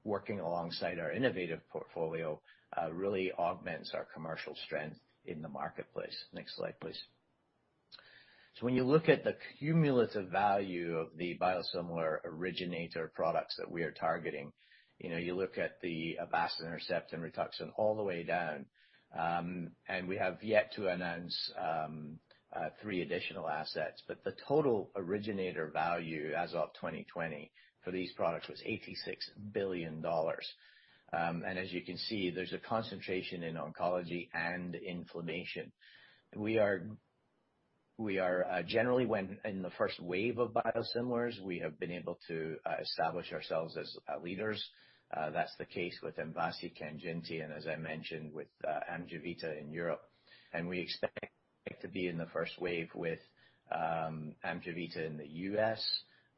Speaker 5: working alongside our innovative portfolio really augments our commercial strength in the marketplace. Next slide, please. When you look at the cumulative value of the biosimilar originator products that we are targeting, you look at the Avastin, Herceptin and Rituxan all the way down. We have yet to announce three additional assets. The total originator value as of 2020 for these products was $86 billion. As you can see, there's a concentration in oncology and inflammation. Generally, in the first wave of biosimilars, we have been able to establish ourselves as leaders. That's the case with MVASI, KANJINTI, and as I mentioned, with AMGEVITA in Europe. We expect to be in the first wave with AMJEVITA in the U.S.,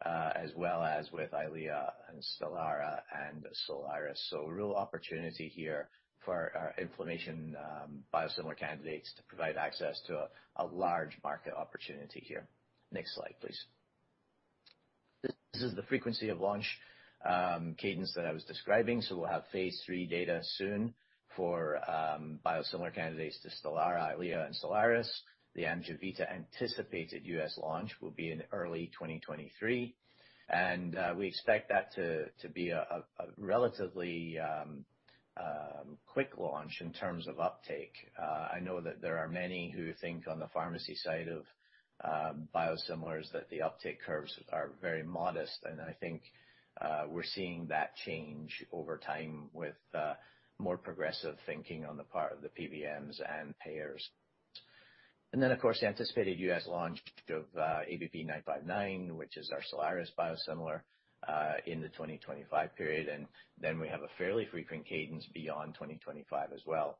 Speaker 5: as well as with EYLEA and STELARA and Soliris. A real opportunity here for our inflammation biosimilar candidates to provide access to a large market opportunity here. Next slide, please. This is the frequency of launch cadence that I was describing. We'll have phase III data soon for biosimilar candidates to STELARA, EYLEA and SOLIRIS. The AMGEVITA anticipated U.S. launch will be in early 2023, and we expect that to be a relatively quick launch in terms of uptake. I know that there are many who think on the pharmacy side of biosimilars that the uptake curves are very modest, and I think we're seeing that change over time with more progressive thinking on the part of the PBMs and payers. Of course, the anticipated U.S. launch of ABP 959, which is our SOLIRIS biosimilar, in the 2025 period. We have a fairly frequent cadence beyond 2025 as well.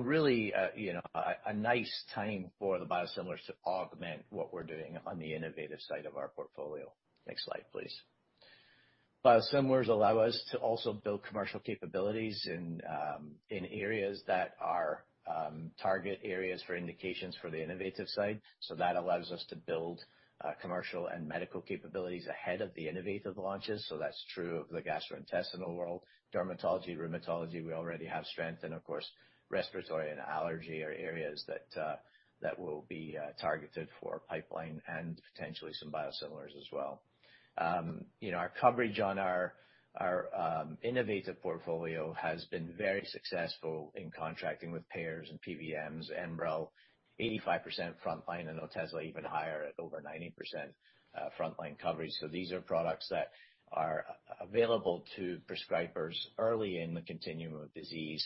Speaker 5: Really, a nice time for the biosimilars to augment what we're doing on the innovative side of our portfolio. Next slide, please. Biosimilars allow us to also build commercial capabilities in areas that are target areas for indications for the innovative side. That allows us to build commercial and medical capabilities ahead of the innovative launches. That's true of the gastrointestinal world. Dermatology, rheumatology, we already have strength, and of course, respiratory and allergy are areas that will be targeted for pipeline and potentially some biosimilars as well. Our coverage on our innovative portfolio has been very successful in contracting with payers and PBMs. Enbrel, 85% frontline and Otezla even higher at over 90% frontline coverage. These are products that are available to prescribers early in the continuum of disease.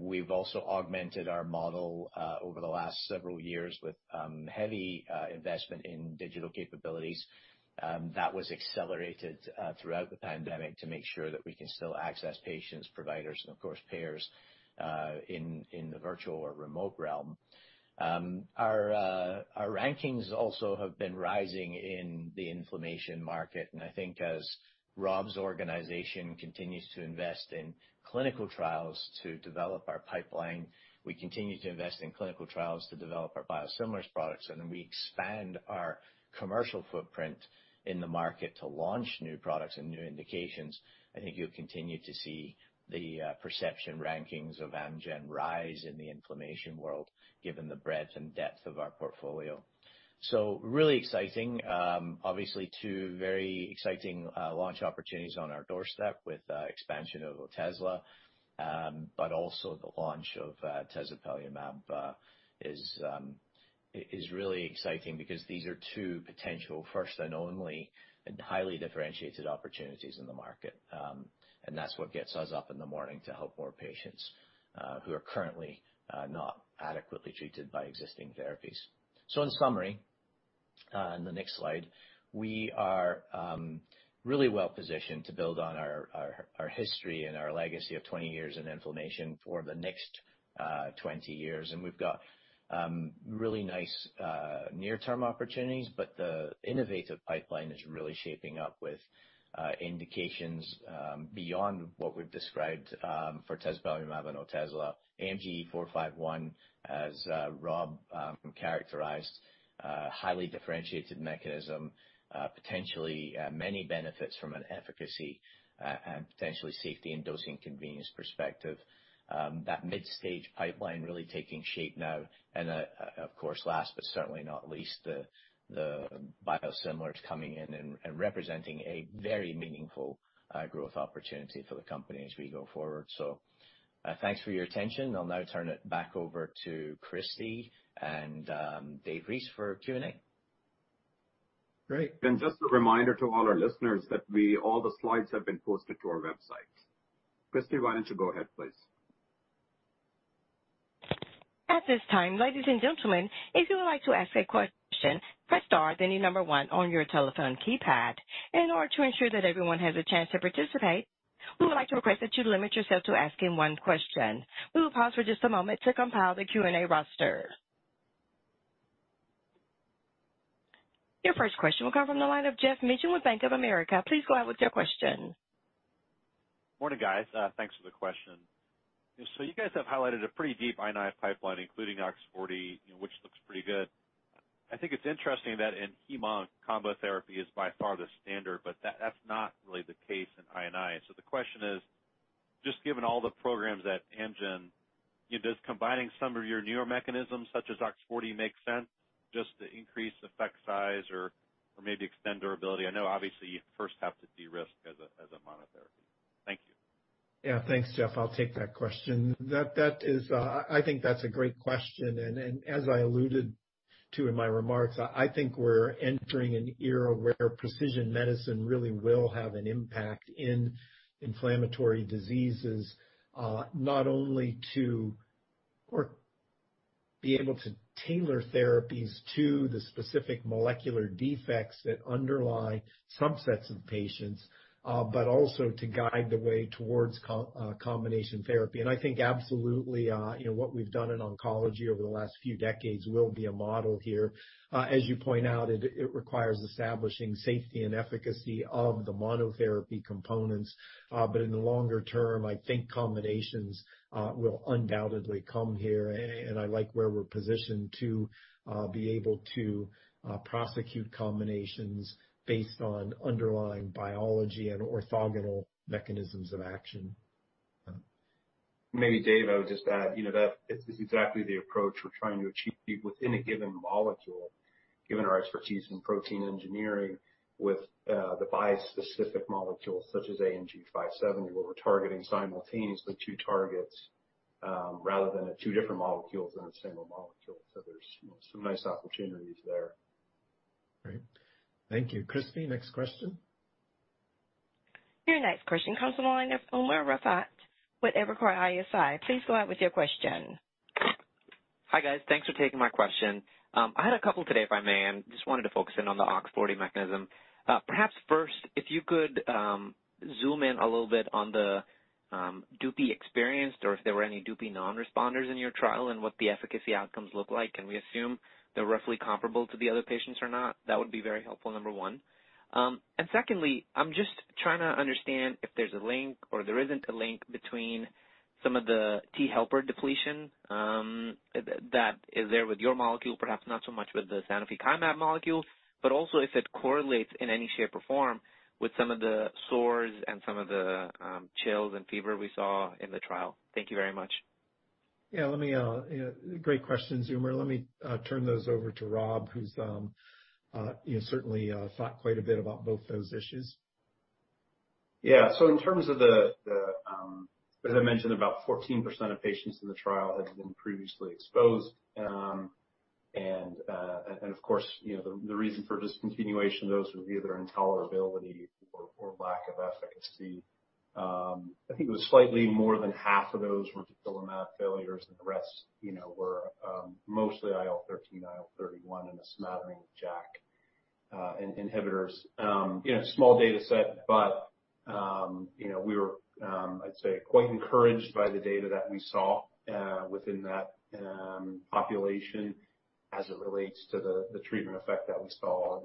Speaker 5: We've also augmented our model over the last several years with heavy investment in digital capabilities. That was accelerated throughout the pandemic to make sure that we can still access patients, providers, and of course, payers, in the virtual or remote realm. Our rankings also have been rising in the inflammation market. I think as Robert Lenz's organization continues to invest in clinical trials to develop our pipeline, we continue to invest in clinical trials to develop our biosimilars products, and we expand our commercial footprint in the market to launch new products and new indications. I think you'll continue to see the perception rankings of Amgen rise in the inflammation world, given the breadth and depth of our portfolio. Really exciting. Obviously, two very exciting launch opportunities on our doorstep with expansion of Otezla. Also the launch of tezepelumab is really exciting because these are two potential first and only, and highly differentiated opportunities in the market. That's what gets us up in the morning to help more patients who are currently not adequately treated by existing therapies. In summary, on the next slide, we are really well-positioned to build on our history and our legacy of 20 years in inflammation for the next 20 years. We've got really nice near-term opportunities, but the innovative pipeline is really shaping up with indications beyond what we've described for tezepelumab or Otezla. AMG 451, as Rob characterized, highly differentiated mechanism, potentially many benefits from an efficacy and potentially safety and dosing convenience perspective. That mid-stage pipeline really taking shape now. Of course, last but certainly not least, the biosimilars coming in and representing a very meaningful growth opportunity for the company as we go forward. Thanks for your attention. I'll now turn it back over to Christie and Dave Reese for Q&A.
Speaker 3: Great.
Speaker 2: Just a reminder to all our listeners that all the slides have been posted to our website. Christie, why don't you go ahead, please.
Speaker 1: At this time, ladies and gentlemen, if you would like to ask a question, press star, then the number one on your telephone keypad. In order to ensure that everyone has a chance to participate, we would like to request that you limit yourself to asking one question. We will pause for just a moment to compile the Q&A roster. Your first question will come from the line of Geoff Meacham with Bank of America. Please go ahead with your question.
Speaker 6: Morning, guys. Thanks for the question. You guys have highlighted a pretty deep I&I pipeline, including OX40, which looks pretty good. I think it's interesting that in hemo combo therapy is by far the standard, but that's not really the case in I&I. The question is, just given all the programs at Amgen, does combining some of your newer mechanisms such as OX40 make sense just to increase effect size or maybe extend durability? I know obviously you first have to de-risk as a monotherapy. Thank you.
Speaker 3: Thanks, Geoff. I'll take that question. I think that's a great question. As I alluded to in my remarks, I think we're entering an era where precision medicine really will have an impact in inflammatory diseases, not only to be able to tailor therapies to the specific molecular defects that underlie subsets of patients, but also to guide the way towards combination therapy. I think absolutely, what we've done in oncology over the last few decades will be a model here. As you point out, it requires establishing safety and efficacy of the monotherapy components. In the longer term, I think combinations will undoubtedly come here. I like where we're positioned to be able to prosecute combinations based on underlying biology and orthogonal mechanisms of action.
Speaker 5: Dave, I would just add, that is exactly the approach we're trying to achieve within a given molecule, given our expertise in protein engineering with the bispecific molecules such as AMG 570, where we're targeting simultaneously two targets, rather than two different molecules and a single molecule. There's some nice opportunities there.
Speaker 3: Great. Thank you. Christie, next question.
Speaker 1: Your next question comes from the line of Umer Raffat with Evercore ISI. Please go out with your question.
Speaker 7: Hi, guys. Thanks for taking my question. I had a couple today, if I may, and just wanted to focus in on the OX40 mechanism. Perhaps first, if you could zoom in a little bit on the Dupixent experienced or if there were any Dupixent non-responders in your trial and what the efficacy outcomes look like. Can we assume they're roughly comparable to the other patients or not? That would be very helpful, number one. Secondly, I'm just trying to understand if there's a link or there isn't a link between some of the T helper depletion that is there with your molecule, perhaps not so much with the Sanofi Kymab molecule, but also if it correlates in any shape or form with some of the sores and some of the chills and fever we saw in the trial. Thank you very much.
Speaker 3: Yeah, great questions, Umer. Let me turn those over to Rob, who's certainly thought quite a bit about both those issues.
Speaker 4: Yeah. In terms of the, as I mentioned, about 14% of patients in the trial had been previously exposed. Of course, the reason for discontinuation of those would be either intolerability or lack of efficacy. I think it was slightly more than half of those were dupilumab failures, and the rest were mostly IL-13, IL-31, and a smattering of JAK inhibitors. Small data set, but we were, I'd say, quite encouraged by the data that we saw within that population as it relates to the treatment effect that we saw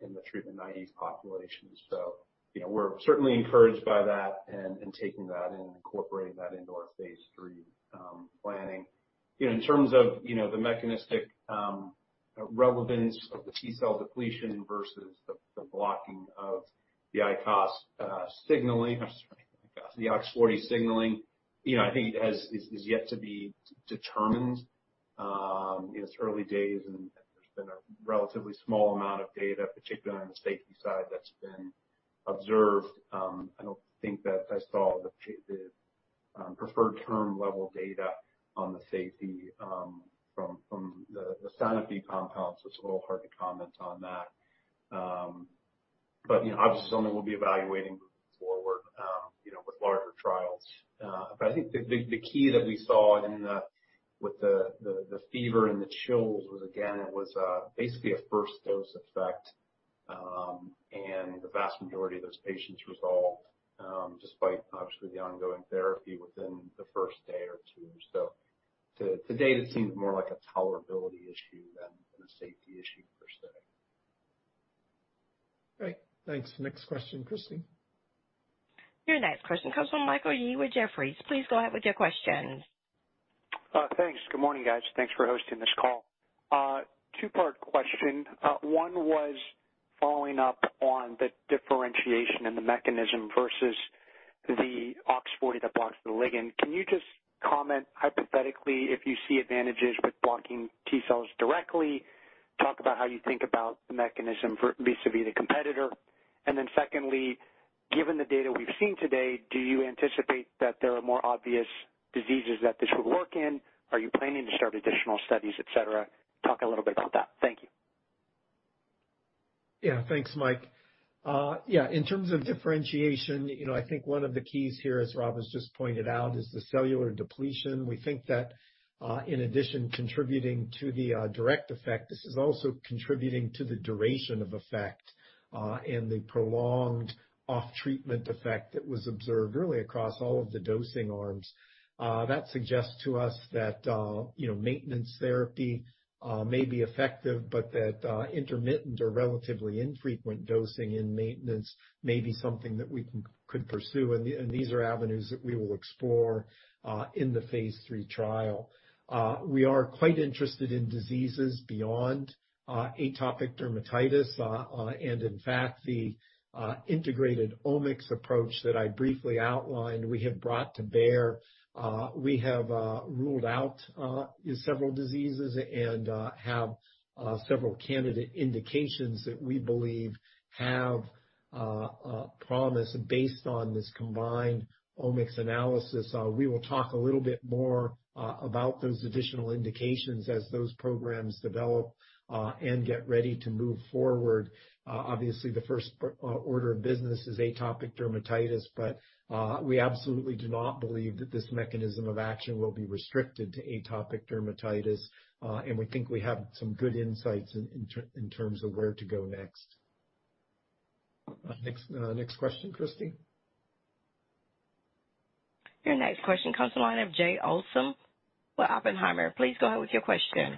Speaker 4: in the treatment naive population. We're certainly encouraged by that and taking that in and incorporating that into our phase III planning. In terms of the mechanistic relevance of the T-cell depletion versus the blocking of the ICOS signaling, I'm sorry, the OX40 signaling, I think it is yet to be determined. It's early days. There's been a relatively small amount of data, particularly on the safety side, that's been. Observed. I don't think that I saw the preferred term level data on the safety from the Sanofi compounds, so it's a little hard to comment on that. Obviously, something we'll be evaluating moving forward with larger trials. I think the key that we saw with the fever and the chills was, again, it was basically a first dose effect. The vast majority of those patients resolved, despite obviously the ongoing therapy, within the first day or two. To date, it seems more like a tolerability issue than a safety issue per se.
Speaker 3: Great. Thanks. Next question, Christie.
Speaker 1: Your next question comes from Michael Yee with Jefferies. Please go ahead with your questions.
Speaker 8: Thanks. Good morning, guys. Thanks for hosting this call. Two-part question. One was following up on the differentiation in the mechanism versus the OX40 that blocks the ligand. Can you just comment hypothetically if you see advantages with blocking T-cells directly? Talk about how you think about the mechanism vis-a-vis the competitor. Secondly, given the data we've seen today, do you anticipate that there are more obvious diseases that this would work in? Are you planning to start additional studies, et cetera? Talk a little bit about that. Thank you.
Speaker 3: Yeah. Thanks, Mike. In terms of differentiation, I think one of the keys here, as Rob has just pointed out, is the cellular depletion. We think that in addition contributing to the direct effect, this is also contributing to the duration of effect and the prolonged off-treatment effect that was observed, really across all of the dosing arms. That suggests to us that maintenance therapy may be effective, but that intermittent or relatively infrequent dosing in maintenance may be something that we could pursue, and these are avenues that we will explore in the phase III trial. We are quite interested in diseases beyond atopic dermatitis. In fact, the integrated omics approach that I briefly outlined, we have brought to bear. We have ruled out several diseases and have several candidate indications that we believe have promise based on this combined omics analysis. We will talk a little bit more about those additional indications as those programs develop and get ready to move forward. Obviously, the first order of business is atopic dermatitis, but we absolutely do not believe that this mechanism of action will be restricted to atopic dermatitis. We think we have some good insights in terms of where to go next. Next question, Christie.
Speaker 1: Your next question comes to the line of Jay Olson with Oppenheimer. Please go ahead with your question.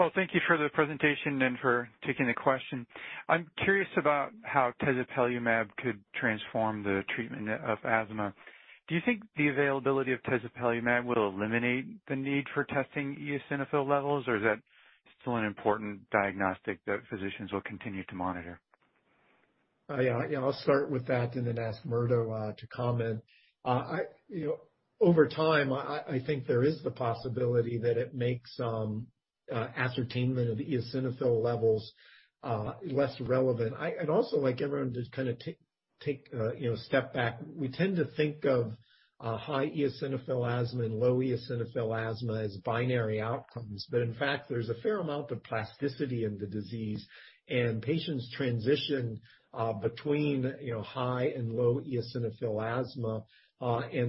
Speaker 9: Well, thank you for the presentation and for taking the question. I'm curious about how tezepelumab could transform the treatment of asthma. Do you think the availability of tezepelumab will eliminate the need for testing eosinophil levels, or is that still an important diagnostic that physicians will continue to monitor?
Speaker 3: Yeah. I'll start with that and then ask Murdo to comment. Over time, I think there is the possibility that it makes ascertainment of eosinophil levels less relevant. I'd also like everyone to take a step back. We tend to think of high eosinophil asthma and low eosinophil asthma as binary outcomes. In fact, there's a fair amount of plasticity in the disease, and patients transition between high and low eosinophil asthma.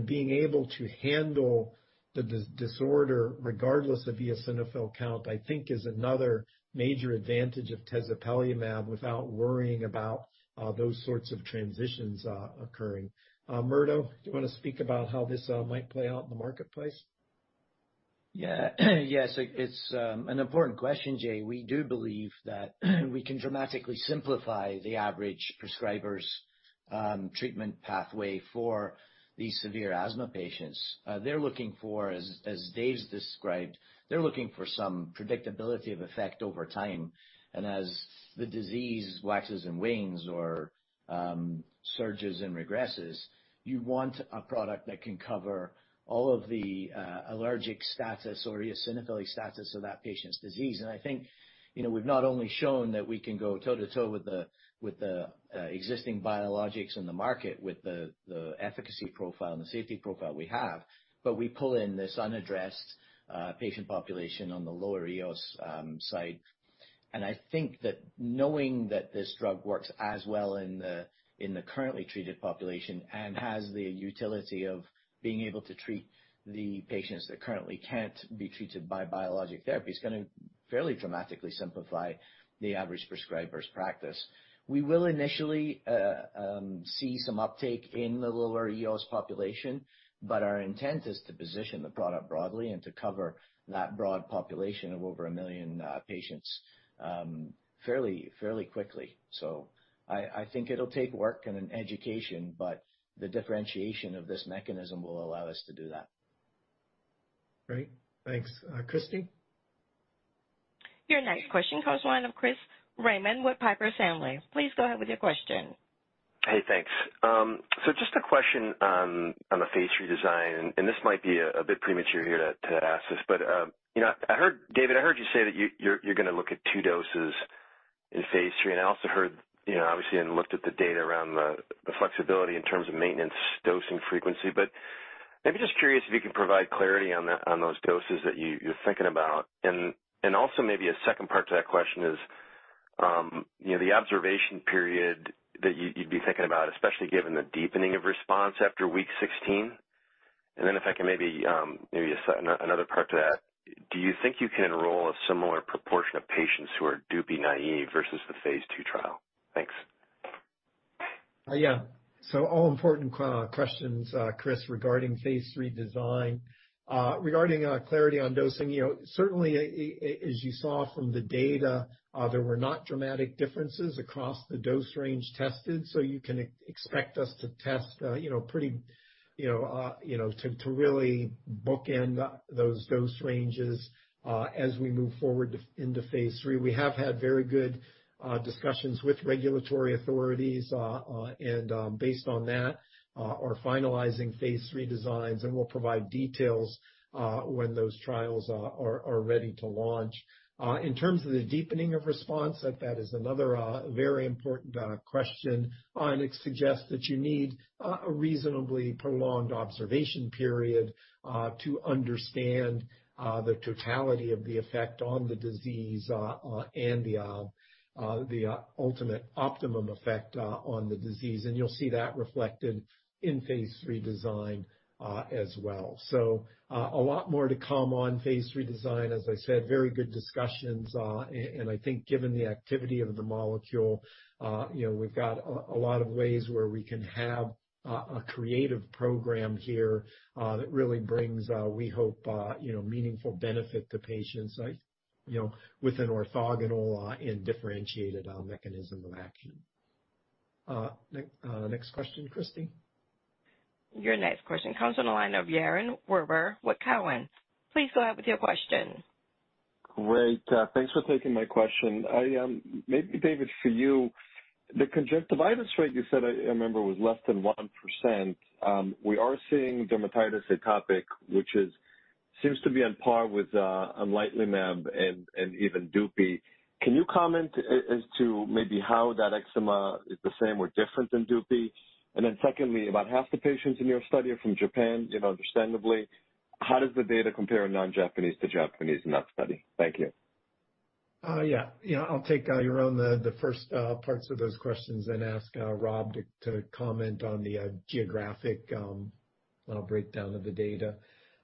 Speaker 3: Being able to handle the disorder regardless of eosinophil count, I think is another major advantage of tezepelumab without worrying about those sorts of transitions occurring. Murdo, do you want to speak about how this might play out in the marketplace?
Speaker 5: Yeah. It's an important question, Jay. We do believe that we can dramatically simplify the average prescriber's treatment pathway for these severe asthma patients. They're looking for, as Dave's described, they're looking for some predictability of effect over time. As the disease waxes and wanes or surges and regresses, you want a product that can cover all of the allergic status or eosinophilic status of that patient's disease. I think we've not only shown that we can go toe to toe with the existing biologics on the market with the efficacy profile and the safety profile we have, but we pull in this unaddressed patient population on the lower EOS site. I think that knowing that this drug works as well in the currently treated population and has the utility of being able to treat the patients that currently can't be treated by biologic therapy is going to fairly dramatically simplify the average prescriber's practice. We will initially see some uptake in the lower EOS population, but our intent is to position the product broadly and to cover that broad population of over 1 million patients fairly quickly. I think it'll take work and an education, but the differentiation of this mechanism will allow us to do that.
Speaker 3: Great. Thanks. Christie?
Speaker 1: Your next question comes to the line of Chris Raymond with Piper Sandler. Please go ahead with your question.
Speaker 10: Hey, thanks. Just a question on the phase III design, and this might be a bit premature here to ask this. David, I heard you say that you're going to look at two doses in phase III, and I also heard, obviously, and looked at the data around the flexibility in terms of maintenance dosing frequency. Maybe just curious if you could provide clarity on those doses that you're thinking about. Also maybe a second part to that question is, the observation period that you'd be thinking about, especially given the deepening of response after week 16. Then if I can maybe, another part to that, do you think you can enroll a similar proportion of patients who are Dupixent naive versus the phase II trial? Thanks.
Speaker 3: Yeah. All important questions, Chris, regarding phase III design. Regarding clarity on dosing, certainly, as you saw from the data, there were not dramatic differences across the dose range tested. You can expect us to really bookend those dose ranges as we move forward into phase III. We have had very good discussions with regulatory authorities, and based on that, are finalizing phase III designs, and we'll provide details when those trials are ready to launch. In terms of the deepening of response, that is another very important question, and it suggests that you need a reasonably prolonged observation period to understand the totality of the effect on the disease, and the ultimate optimum effect on the disease. You'll see that reflected in phase III design as well. A lot more to come on phase III design, as I said, very good discussions. I think given the activity of the molecule, we've got a lot of ways where we can have a creative program here, that really brings, we hope, meaningful benefit to patients with an orthogonal and differentiated mechanism of action. Next question, Christie.
Speaker 1: Your next question comes on the line of Yaron Werber with Cowen. Please go ahead with your question.
Speaker 11: Great. Thanks for taking my question. Maybe David, for you, the conjunctivitis rate you said, I remember, was less than 1%. We are seeing atopic dermatitis, which seems to be on par with upadacitinib and even Dupixent. Can you comment as to maybe how that eczema is the same or different than Dupixent? Secondly, about half the patients in your study are from Japan, understandably. How does the data compare non-Japanese to Japanese in that study? Thank you.
Speaker 3: Yeah. I'll take Yaron the first parts of those questions and ask Rob to comment on the geographic breakdown of the data.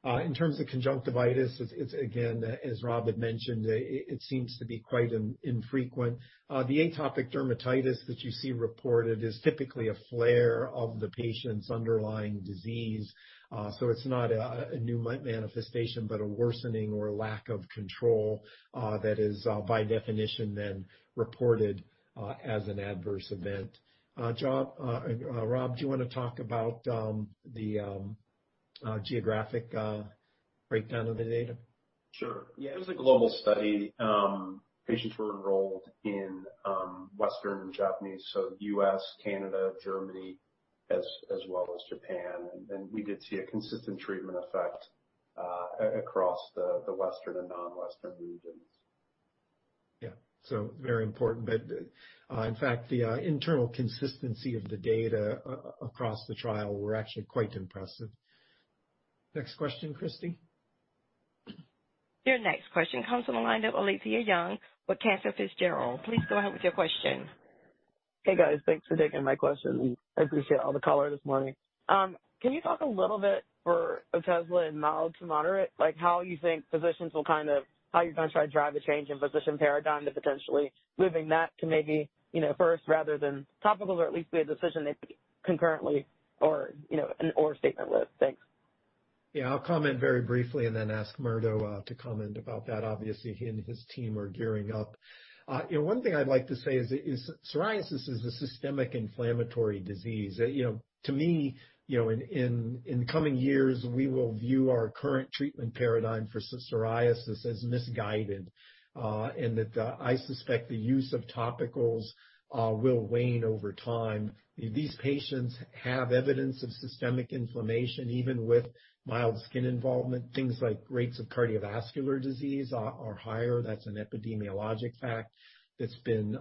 Speaker 3: In terms of conjunctivitis, it's again, as Rob Lenz had mentioned, it seems to be quite infrequent. The atopic dermatitis that you see reported is typically a flare of the patient's underlying disease. It's not a new manifestation, but a worsening or lack of control, that is by definition then reported as an adverse event. Rob, do you want to talk about the geographic breakdown of the data?
Speaker 4: Sure. Yeah. It was a global study. Patients were enrolled in Western and Japanese, so U.S., Canada, Germany, as well as Japan. We did see a consistent treatment effect across the Western and non-Western regions.
Speaker 3: Yeah. Very important. In fact, the internal consistency of the data across the trial were actually quite impressive. Next question, Christie.
Speaker 1: Your next question comes from the line of Alethia Young with Cantor Fitzgerald. Please go ahead with your question.
Speaker 12: Hey, guys. Thanks for taking my question. I appreciate all the color this morning. Can you talk a little bit for Otezla in mild to moderate, like how you're going to try to drive a change in physician paradigm to potentially moving that to maybe first rather than topicals, or at least be a decision they concurrently or an or statement with. Thanks.
Speaker 3: Yeah, I'll comment very briefly and then ask Murdo to comment about that. Obviously, he and his team are gearing up. One thing I'd like to say is psoriasis is a systemic inflammatory disease. To me, in the coming years, we will view our current treatment paradigm for psoriasis as misguided, and that I suspect the use of topicals will wane over time. These patients have evidence of systemic inflammation even with mild skin involvement. Things like rates of cardiovascular disease are higher. That's an epidemiologic fact that's been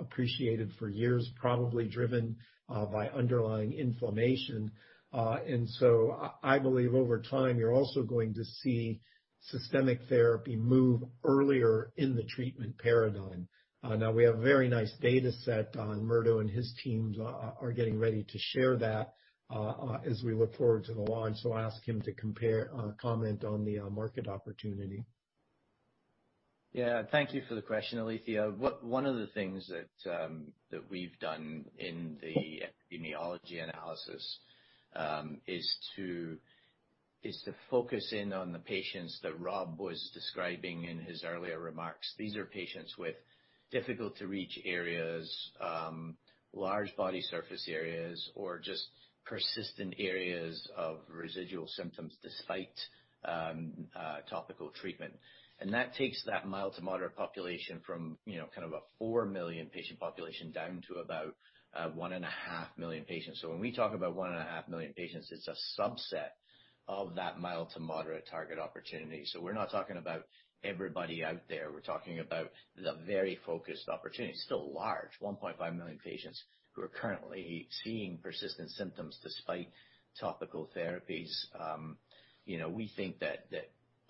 Speaker 3: appreciated for years, probably driven by underlying inflammation. I believe over time, you're also going to see systemic therapy move earlier in the treatment paradigm. Now we have a very nice data set. Murdo and his teams are getting ready to share that as we look forward to the launch. I'll ask him to comment on the market opportunity.
Speaker 5: Yeah. Thank you for the question, Alethia. One of the things that we've done in the epidemiology analysis, is to focus in on the patients that Rob was describing in his earlier remarks. These are patients with difficult-to-reach areas, large body surface areas, or just persistent areas of residual symptoms despite topical treatment. That takes that mild to moderate population from a 4 million patient population down to about 1.5 million patients. When we talk about 1.5 million patients, it's a subset of that mild to moderate target opportunity. We're not talking about everybody out there. We're talking about the very focused opportunity. Still large, 1.5 million patients who are currently seeing persistent symptoms despite topical therapies. We think that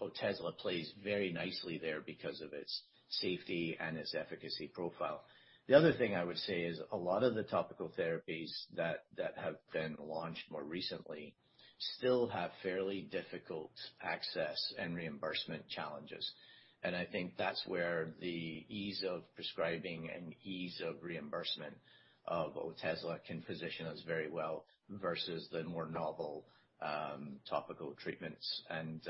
Speaker 5: Otezla plays very nicely there because of its safety and its efficacy profile. The other thing I would say is a lot of the topical therapies that have been launched more recently still have fairly difficult access and reimbursement challenges. I think that's where the ease of prescribing and ease of reimbursement of Otezla can position us very well versus the more novel topical treatments. As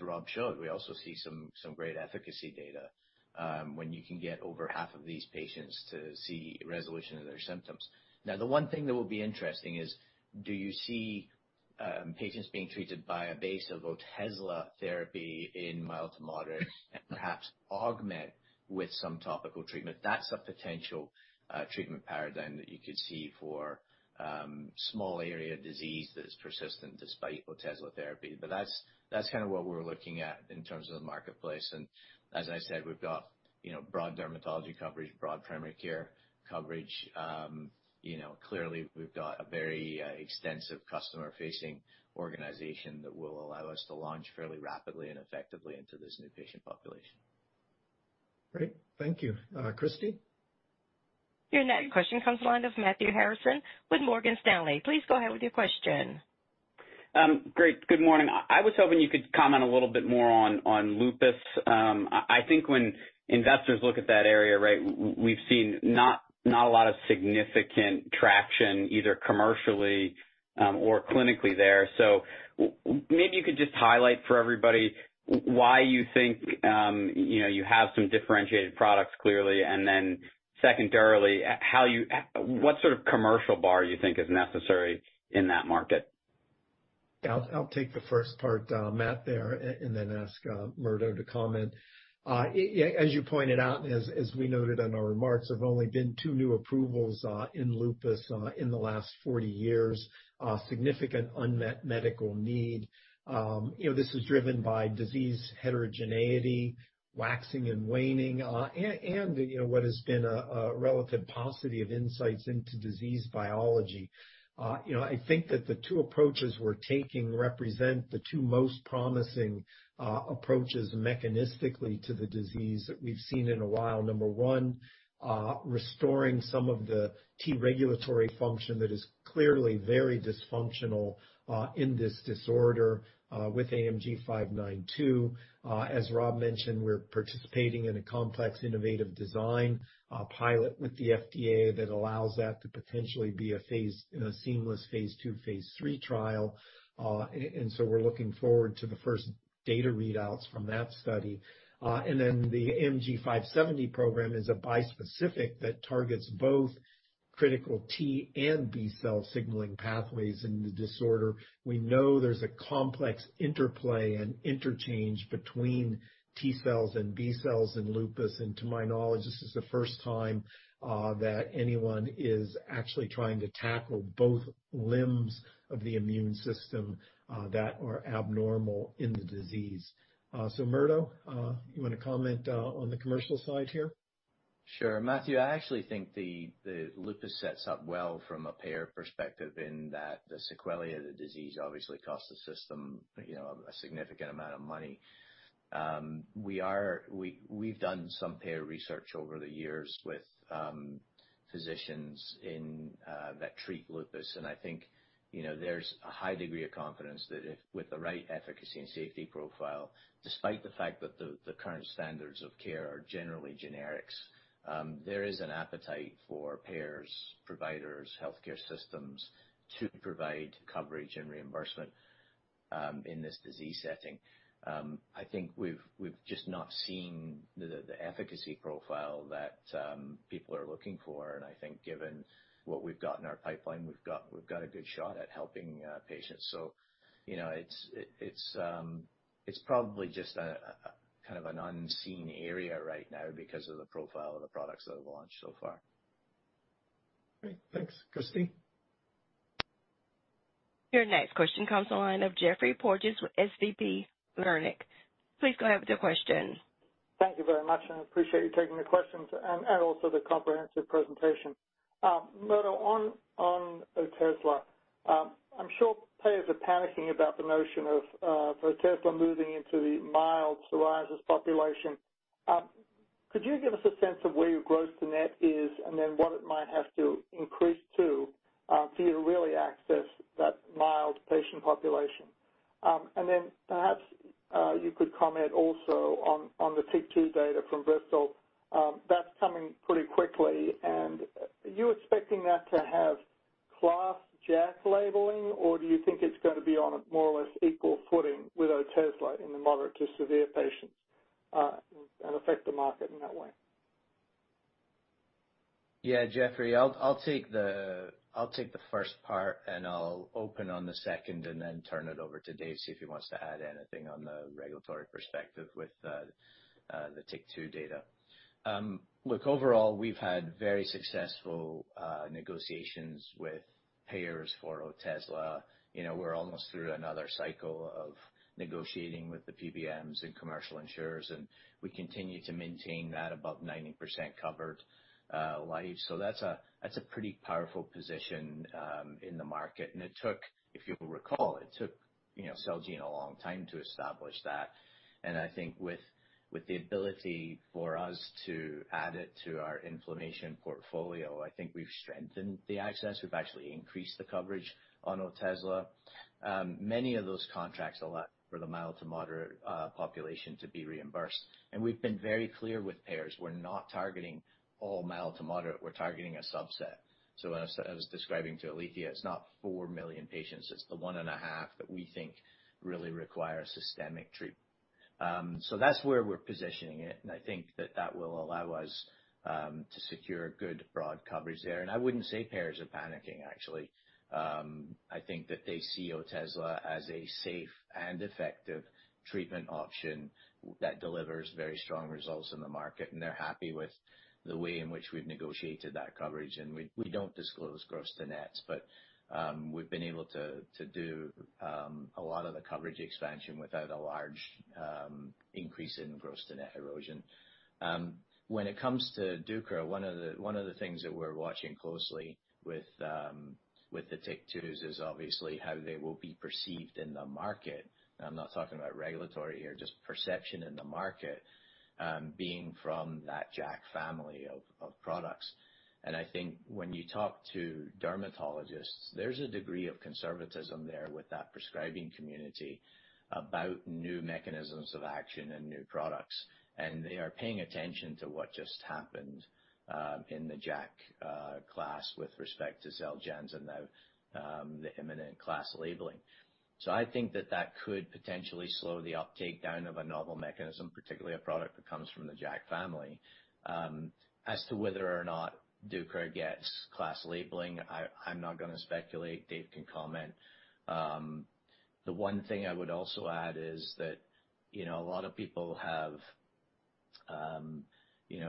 Speaker 5: Rob showed, we also see some great efficacy data, when you can get over half of these patients to see resolution of their symptoms. Now, the one thing that will be interesting is, do you see patients being treated by a base of Otezla therapy in mild to moderate and perhaps augment with some topical treatment? That's a potential treatment paradigm that you could see for small area disease that is persistent despite Otezla therapy. That's what we're looking at in terms of the marketplace, and as I said, we've got broad dermatology coverage, broad primary care coverage. Clearly, we've got a very extensive customer-facing organization that will allow us to launch fairly rapidly and effectively into this new patient population.
Speaker 3: Great. Thank you. Christie?
Speaker 1: Your next question comes on the line of Matthew Harrison with Morgan Stanley. Please go ahead with your question.
Speaker 13: Great. Good morning. I was hoping you could comment a little bit more on lupus. I think when investors look at that area, we've seen not a lot of significant traction, either commercially or clinically there. Maybe you could just highlight for everybody why you think you have some differentiated products, clearly, and then secondarily, what sort of commercial bar you think is necessary in that market.
Speaker 3: I'll take the first part, Matt there, and then ask Murdo to comment. As you pointed out, as we noted in our remarks, there have only been two new approvals in lupus in the last 40 years. Significant unmet medical need. This is driven by disease heterogeneity, waxing and waning, and what has been a relative paucity of insights into disease biology. I think that the two approaches we're taking represent the two most promising approaches mechanistically to the disease that we've seen in a while. Number one, restoring some of the T-regulatory function that is clearly very dysfunctional in this disorder with AMG 592. As Rob mentioned, we're participating in a complex, innovative design pilot with the FDA that allows that to potentially be a seamless phase II, phase III trial. So we're looking forward to the first data readouts from that study. The AMG 570 program is a bispecific that targets both critical T and B cell signaling pathways in the disorder. We know there's a complex interplay and interchange between T cells and B cells in lupus, and to my knowledge, this is the first time that anyone is actually trying to tackle both limbs of the immune system that are abnormal in the disease. Murdo, you want to comment on the commercial side here?
Speaker 5: Sure. Matthew, I actually think lupus sets up well from a payer perspective in that the sequela of the disease obviously costs the system a significant amount of money. We've done some payer research over the years with physicians that treat lupus, and I think there's a high degree of confidence that with the right efficacy and safety profile, despite the fact that the current standards of care are generally generics, there is an appetite for payers, providers, healthcare systems to provide coverage and reimbursement in this disease setting. I think we've just not seen the efficacy profile that people are looking for, and I think given what we've got in our pipeline, we've got a good shot at helping patients. It's probably just an unseen area right now because of the profile of the products that have launched so far.
Speaker 3: Great. Thanks. Christie?
Speaker 1: Your next question comes on the line of Geoffrey Porges with SVB Leerink. Please go ahead with your question.
Speaker 14: Thank you very much, and I appreciate you taking the questions and also the comprehensive presentation. Murdo, on Otezla, I'm sure payers are panicking about the notion of Otezla moving into the mild psoriasis population. Could you give us a sense of where your gross to net is and then what it might have to increase to for you to really access that mild patient population? Perhaps, you could comment also on the TYK2 data from Bristol. That's coming pretty quickly. Are you expecting that to have class JAK labeling, or do you think it's going to be on a more or less equal footing with Otezla in the moderate to severe patients, and affect the market in that way?
Speaker 5: Yeah, Geoffrey, I'll take the first part. I'll open on the second, turn it over to David, see if he wants to add anything on the regulatory perspective with the TYK2 data. Look, overall, we've had very successful negotiations with payers for Otezla. We're almost through another cycle of negotiating with the PBMs and commercial insurers. We continue to maintain that above 90% covered lives. That's a pretty powerful position in the market. If you'll recall, it took Celgene a long time to establish that. I think with the ability for us to add it to our inflammation portfolio, I think we've strengthened the access. We've actually increased the coverage on Otezla. Many of those contracts allow for the mild to moderate population to be reimbursed. We've been very clear with payers, we're not targeting all mild to moderate. We're targeting a subset. As I was describing to Alethia, it's not 4 million patients, it's the one and a half that we think really require systemic treatment. That's where we're positioning it, and I think that that will allow us to secure good, broad coverage there. I wouldn't say payers are panicking, actually. I think that they see Otezla as a safe and effective treatment option that delivers very strong results in the market, and they're happy with the way in which we've negotiated that coverage. We don't disclose gross-to-nets, but we've been able to do a lot of the coverage expansion without a large increase in gross-to-net erosion. When it comes to deucravacitinib, one of the things that we're watching closely with the TYK2s is obviously how they will be perceived in the market. I'm not talking about regulatory here, just perception in the market, being from that JAK family of products. I think when you talk to dermatologists, there's a degree of conservatism there with that prescribing community about new mechanisms of action and new products. They are paying attention to what just happened in the JAK class with respect to XELJANZ and now the imminent class labeling. I think that that could potentially slow the uptake down of a novel mechanism, particularly a product that comes from the JAK family. As to whether or not deucravacitinib gets class labeling, I'm not going to speculate. Dave can comment. The one thing I would also add is that a lot of people have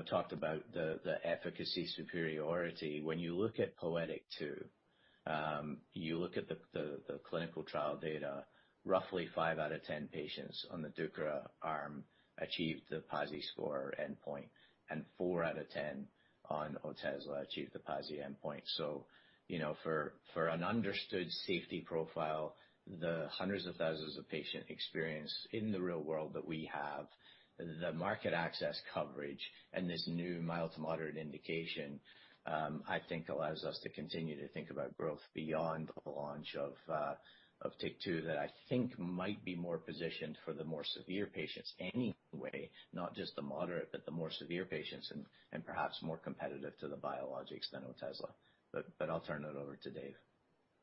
Speaker 5: talked about the efficacy superiority. When you look at POETYK-2, you look at the clinical trial data, roughly five out of 10 patients on the deucravacitinib arm achieved the PASI score endpoint, and four out of 10 on Otezla achieved the PASI endpoint. For an understood safety profile, the hundreds of thousands of patient experience in the real world that we have, the market access coverage and this new mild to moderate indication, I think allows us to continue to think about growth beyond the launch of TYK2, that I think might be more positioned for the more severe patients anyway, not just the moderate, but the more severe patients, and perhaps more competitive to the biologics than Otezla. I'll turn it over to Dave.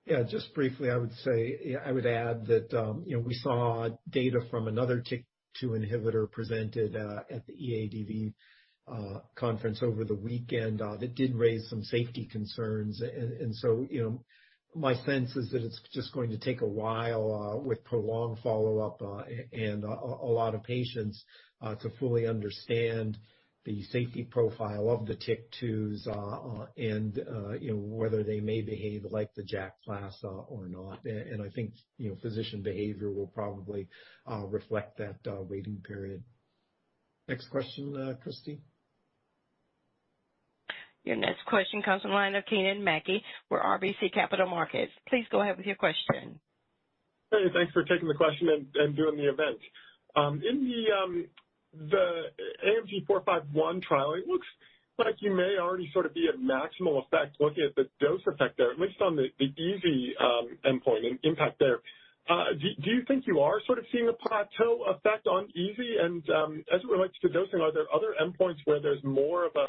Speaker 3: Yeah. Just briefly, I would add that we saw data from another TYK2 inhibitor presented at the EADV conference over the weekend that did raise some safety concerns. My sense is that it's just going to take a while with prolonged follow-up and a lot of patients to fully understand the safety profile of the TYK2s and whether they may behave like the JAK class or not. I think physician behavior will probably reflect that waiting period. Next question, Christine.
Speaker 1: Your next question comes from the line of Kennen MacKay with RBC Capital Markets. Please go ahead with your question.
Speaker 15: Hey, thanks for taking the question and doing the event. In the AMG 451 trial, it looks like you may already sort of be at maximal effect looking at the dose effect there, at least on the EASI impact there. Do you think you are sort of seeing a plateau effect on EASI? As it relates to dosing, are there other endpoints where there's more of a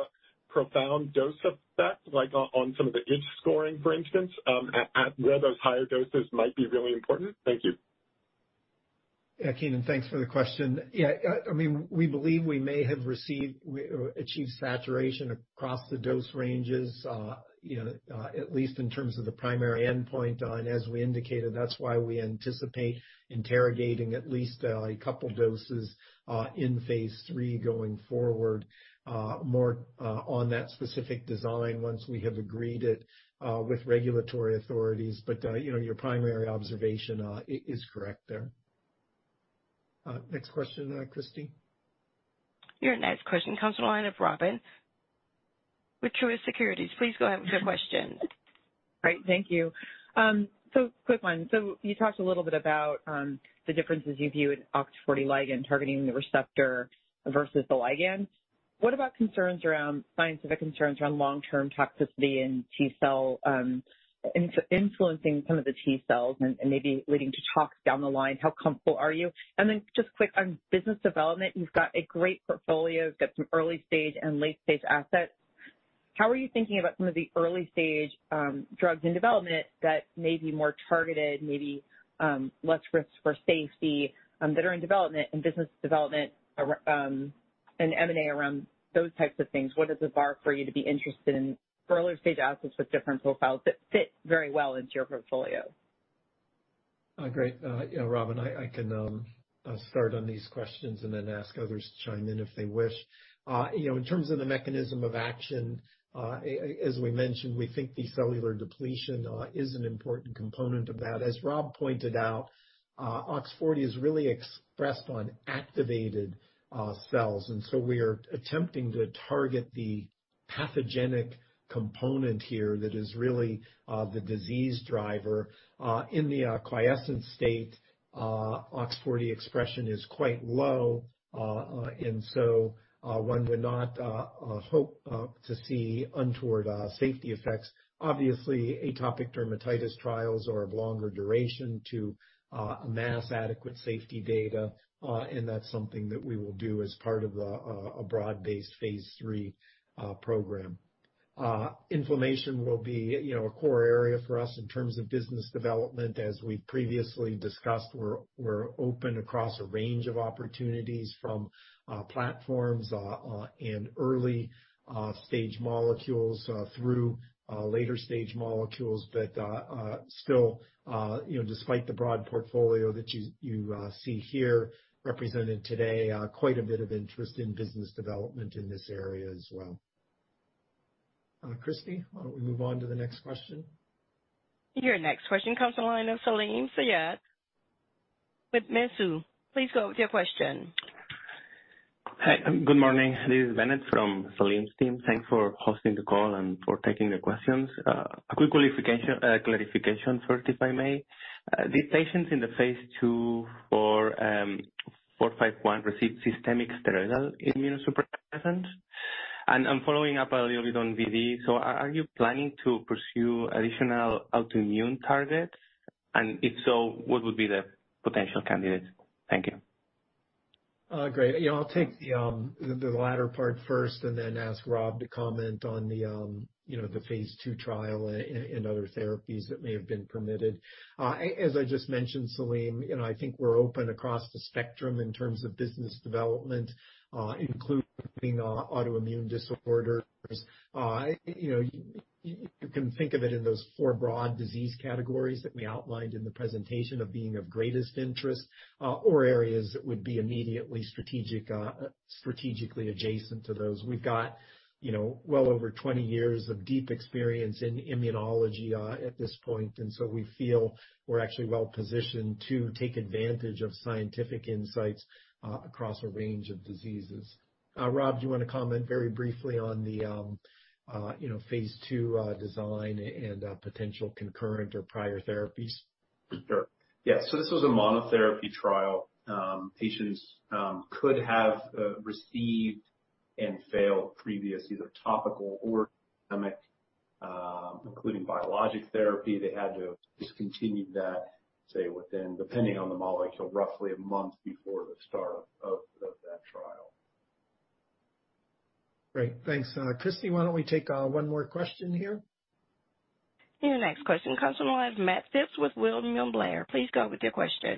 Speaker 15: profound dose effect, like on some of the itch scoring, for instance, where those higher doses might be really important? Thank you.
Speaker 3: Yeah. Kennen, thanks for the question. Yeah. We believe we may have achieved saturation across the dose ranges, at least in terms of the primary endpoint. As we indicated, that's why we anticipate interrogating at least a couple doses in phase III going forward, more on that specific design once we have agreed it with regulatory authorities. Your primary observation is correct there. Next question, Christie.
Speaker 1: Your next question comes from the line of Robyn with Truist Securities. Please go ahead with your question.
Speaker 16: Great. Thank you. Quick one. You talked a little bit about the differences you view in OX40 ligand targeting the receptor versus the ligand. What about scientific concerns around long-term toxicity in T cell, influencing some of the T cells and maybe leading to tox down the line? How comfortable are you? Then just quick on business development, you've got a great portfolio. You've got some early-stage and late-stage assets. How are you thinking about some of the early-stage drugs in development that may be more targeted, maybe less risk for safety, that are in development and business development, and M&A around those types of things? What is the bar for you to be interested in for early-stage assets with different profiles that fit very well into your portfolio?
Speaker 3: Great. Robyn, I can start on these questions and then ask others to chime in if they wish. In terms of the mechanism of action, as we mentioned, we think the cellular depletion is an important component of that. As Rob pointed out, OX40 is really expressed on activated cells, and so we are attempting to target the pathogenic component here that is really the disease driver. In the quiescent state, OX40 expression is quite low, and so one would not hope to see untoward safety effects. Obviously, atopic dermatitis trials are of longer duration to amass adequate safety data. That's something that we will do as part of a broad-based phase III program. Inflammation will be a core area for us in terms of business development. As we've previously discussed, we're open across a range of opportunities from platforms and early-stage molecules through later-stage molecules. Still, despite the broad portfolio that you see here represented today, quite a bit of interest in business development in this area as well. Christie, why don't we move on to the next question?
Speaker 1: Your next question comes on the line of Salim Syed with Mizuho. Please go with your question.
Speaker 17: Hi. Good morning. This is Benet from Salim's team. Thanks for hosting the call and for taking the questions. A quick clarification first, if I may. These patients in the phase II for 451 received systemic steroidal immunosuppressants. Following up a little bit on BD, are you planning to pursue additional autoimmune targets? If so, what would be the potential candidates? Thank you.
Speaker 3: Great. I'll take the latter part first and then ask Rob to comment on the phase II trial and other therapies that may have been permitted. As I just mentioned, Salim Syed, I think we're open across the spectrum in terms of business development, including autoimmune disorders. You can think of it in those four broad disease categories that we outlined in the presentation of being of greatest interest, or areas that would be immediately strategically adjacent to those. We've got well over 20 years of deep experience in immunology at this point, and so we feel we're actually well-positioned to take advantage of scientific insights across a range of diseases. Rob, do you want to comment very briefly on the phase II design and potential concurrent or prior therapies?
Speaker 4: Sure. Yeah, this was a monotherapy trial. Patients could have received and failed previous either topical or systemic, including biologic therapy. They had to discontinue that, say, within, depending on the molecule, roughly a month before the start of that trial.
Speaker 3: Great. Thanks. Christie, why don't we take one more question here?
Speaker 1: Your next question comes on the line of Matt Phipps with William Blair. Please go with your question.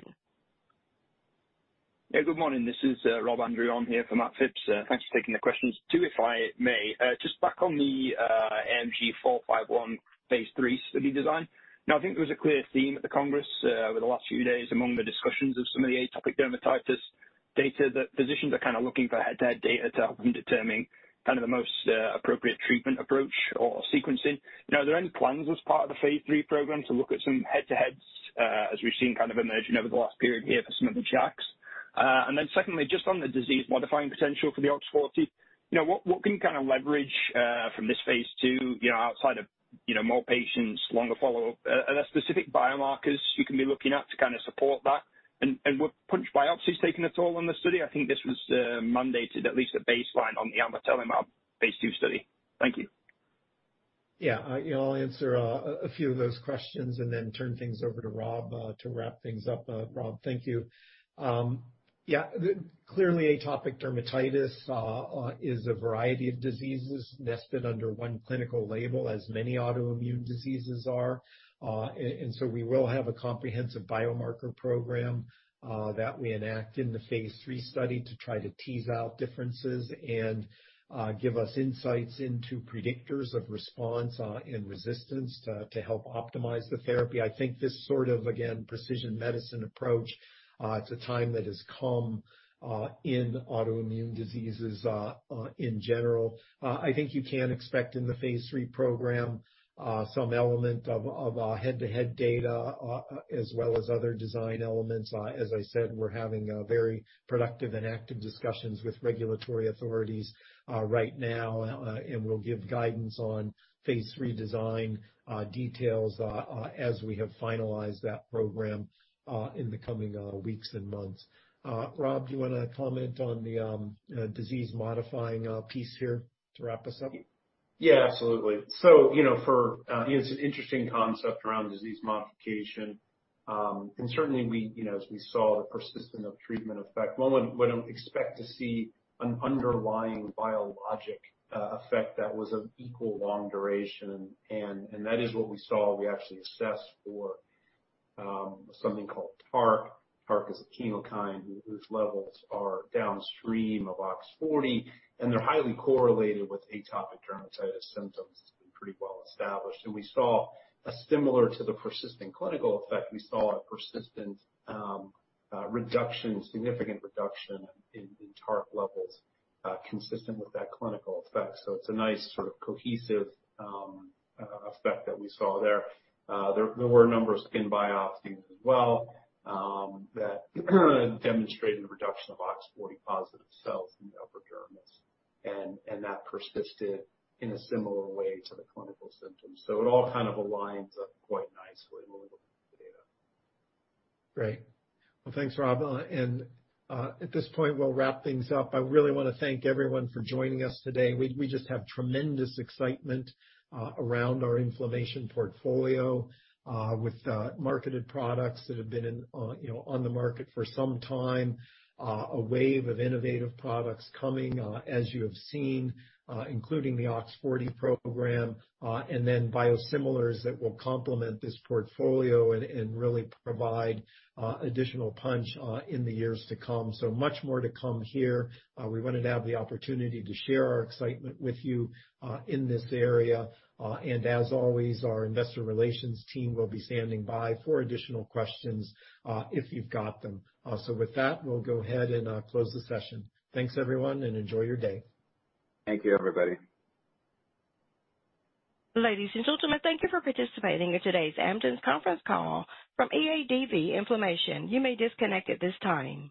Speaker 18: Yeah, good morning. This is Rob Andrew on here for Matt Phipps. Thanks for taking the questions too, if I may. Back on the AMG 451 phase III study design. I think there was a clear theme at the Congress over the last few days among the discussions of some of the atopic dermatitis data that physicians are kind of looking for head-to-head data to help them determine the most appropriate treatment approach or sequencing. Are there any plans as part of the phase III program to look at some head-to-heads as we've seen kind of emerging over the last period here for some of the JAKs? Secondly, just on the disease-modifying potential for the OX40, what can you leverage from this phase II outside of more patients, longer follow-up? Are there specific biomarkers you can be looking at to support that? Were punch biopsies taken at all on the study? I think this was mandated at least at baseline on the amlitelimab phase II study. Thank you.
Speaker 3: Yeah. I'll answer a few of those questions and then turn things over to Rob to wrap things up. Rob, thank you. Yeah. Clearly, atopic dermatitis is a variety of diseases nested under one clinical label, as many autoimmune diseases are. So we will have a comprehensive biomarker program that we enact in the phase III study to try to tease out differences and give us insights into predictors of response and resistance to help optimize the therapy. I think this sort of, again, precision medicine approach, it's a time that has come in autoimmune diseases in general. I think you can expect in the phase III program some element of head-to-head data as well as other design elements. As I said, we're having very productive and active discussions with regulatory authorities right now. We'll give guidance on phase III design details as we have finalized that program in the coming weeks and months. Rob, do you want to comment on the disease-modifying piece here to wrap us up?
Speaker 4: Yeah, absolutely. It's an interesting concept around disease modification. Certainly, as we saw the persistence of treatment effect, one would expect to see an underlying biologic effect that was of equal long duration. That is what we saw. We actually assessed for something called TARC. TARC is a chemokine whose levels are downstream of OX40, and they're highly correlated with atopic dermatitis symptoms. It's been pretty well established. Similar to the persistent clinical effect, we saw a persistent reduction, significant reduction in TARC levels consistent with that clinical effect. It's a nice sort of cohesive effect that we saw there. There were a number of skin biopsies as well that demonstrated a reduction of OX40 positive cells in the upper dermis, and that persisted in a similar way to the clinical symptoms. It all kind of aligns up quite nicely when we look at the data.
Speaker 3: Great. Well, thanks, Rob. At this point, we'll wrap things up. I really want to thank everyone for joining us today. We just have tremendous excitement around our inflammation portfolio with marketed products that have been on the market for some time, a wave of innovative products coming as you have seen including the OX40 program, and then biosimilars that will complement this portfolio and really provide additional punch in the years to come. Much more to come here. We wanted to have the opportunity to share our excitement with you in this area. As always, our investor relations team will be standing by for additional questions if you've got them. With that, we'll go ahead and close the session. Thanks everyone, and enjoy your day.
Speaker 4: Thank you everybody.
Speaker 1: Ladies and gentlemen, thank you for participating in today's Amgen's conference call from EADV Inflammation. You may disconnect at this time.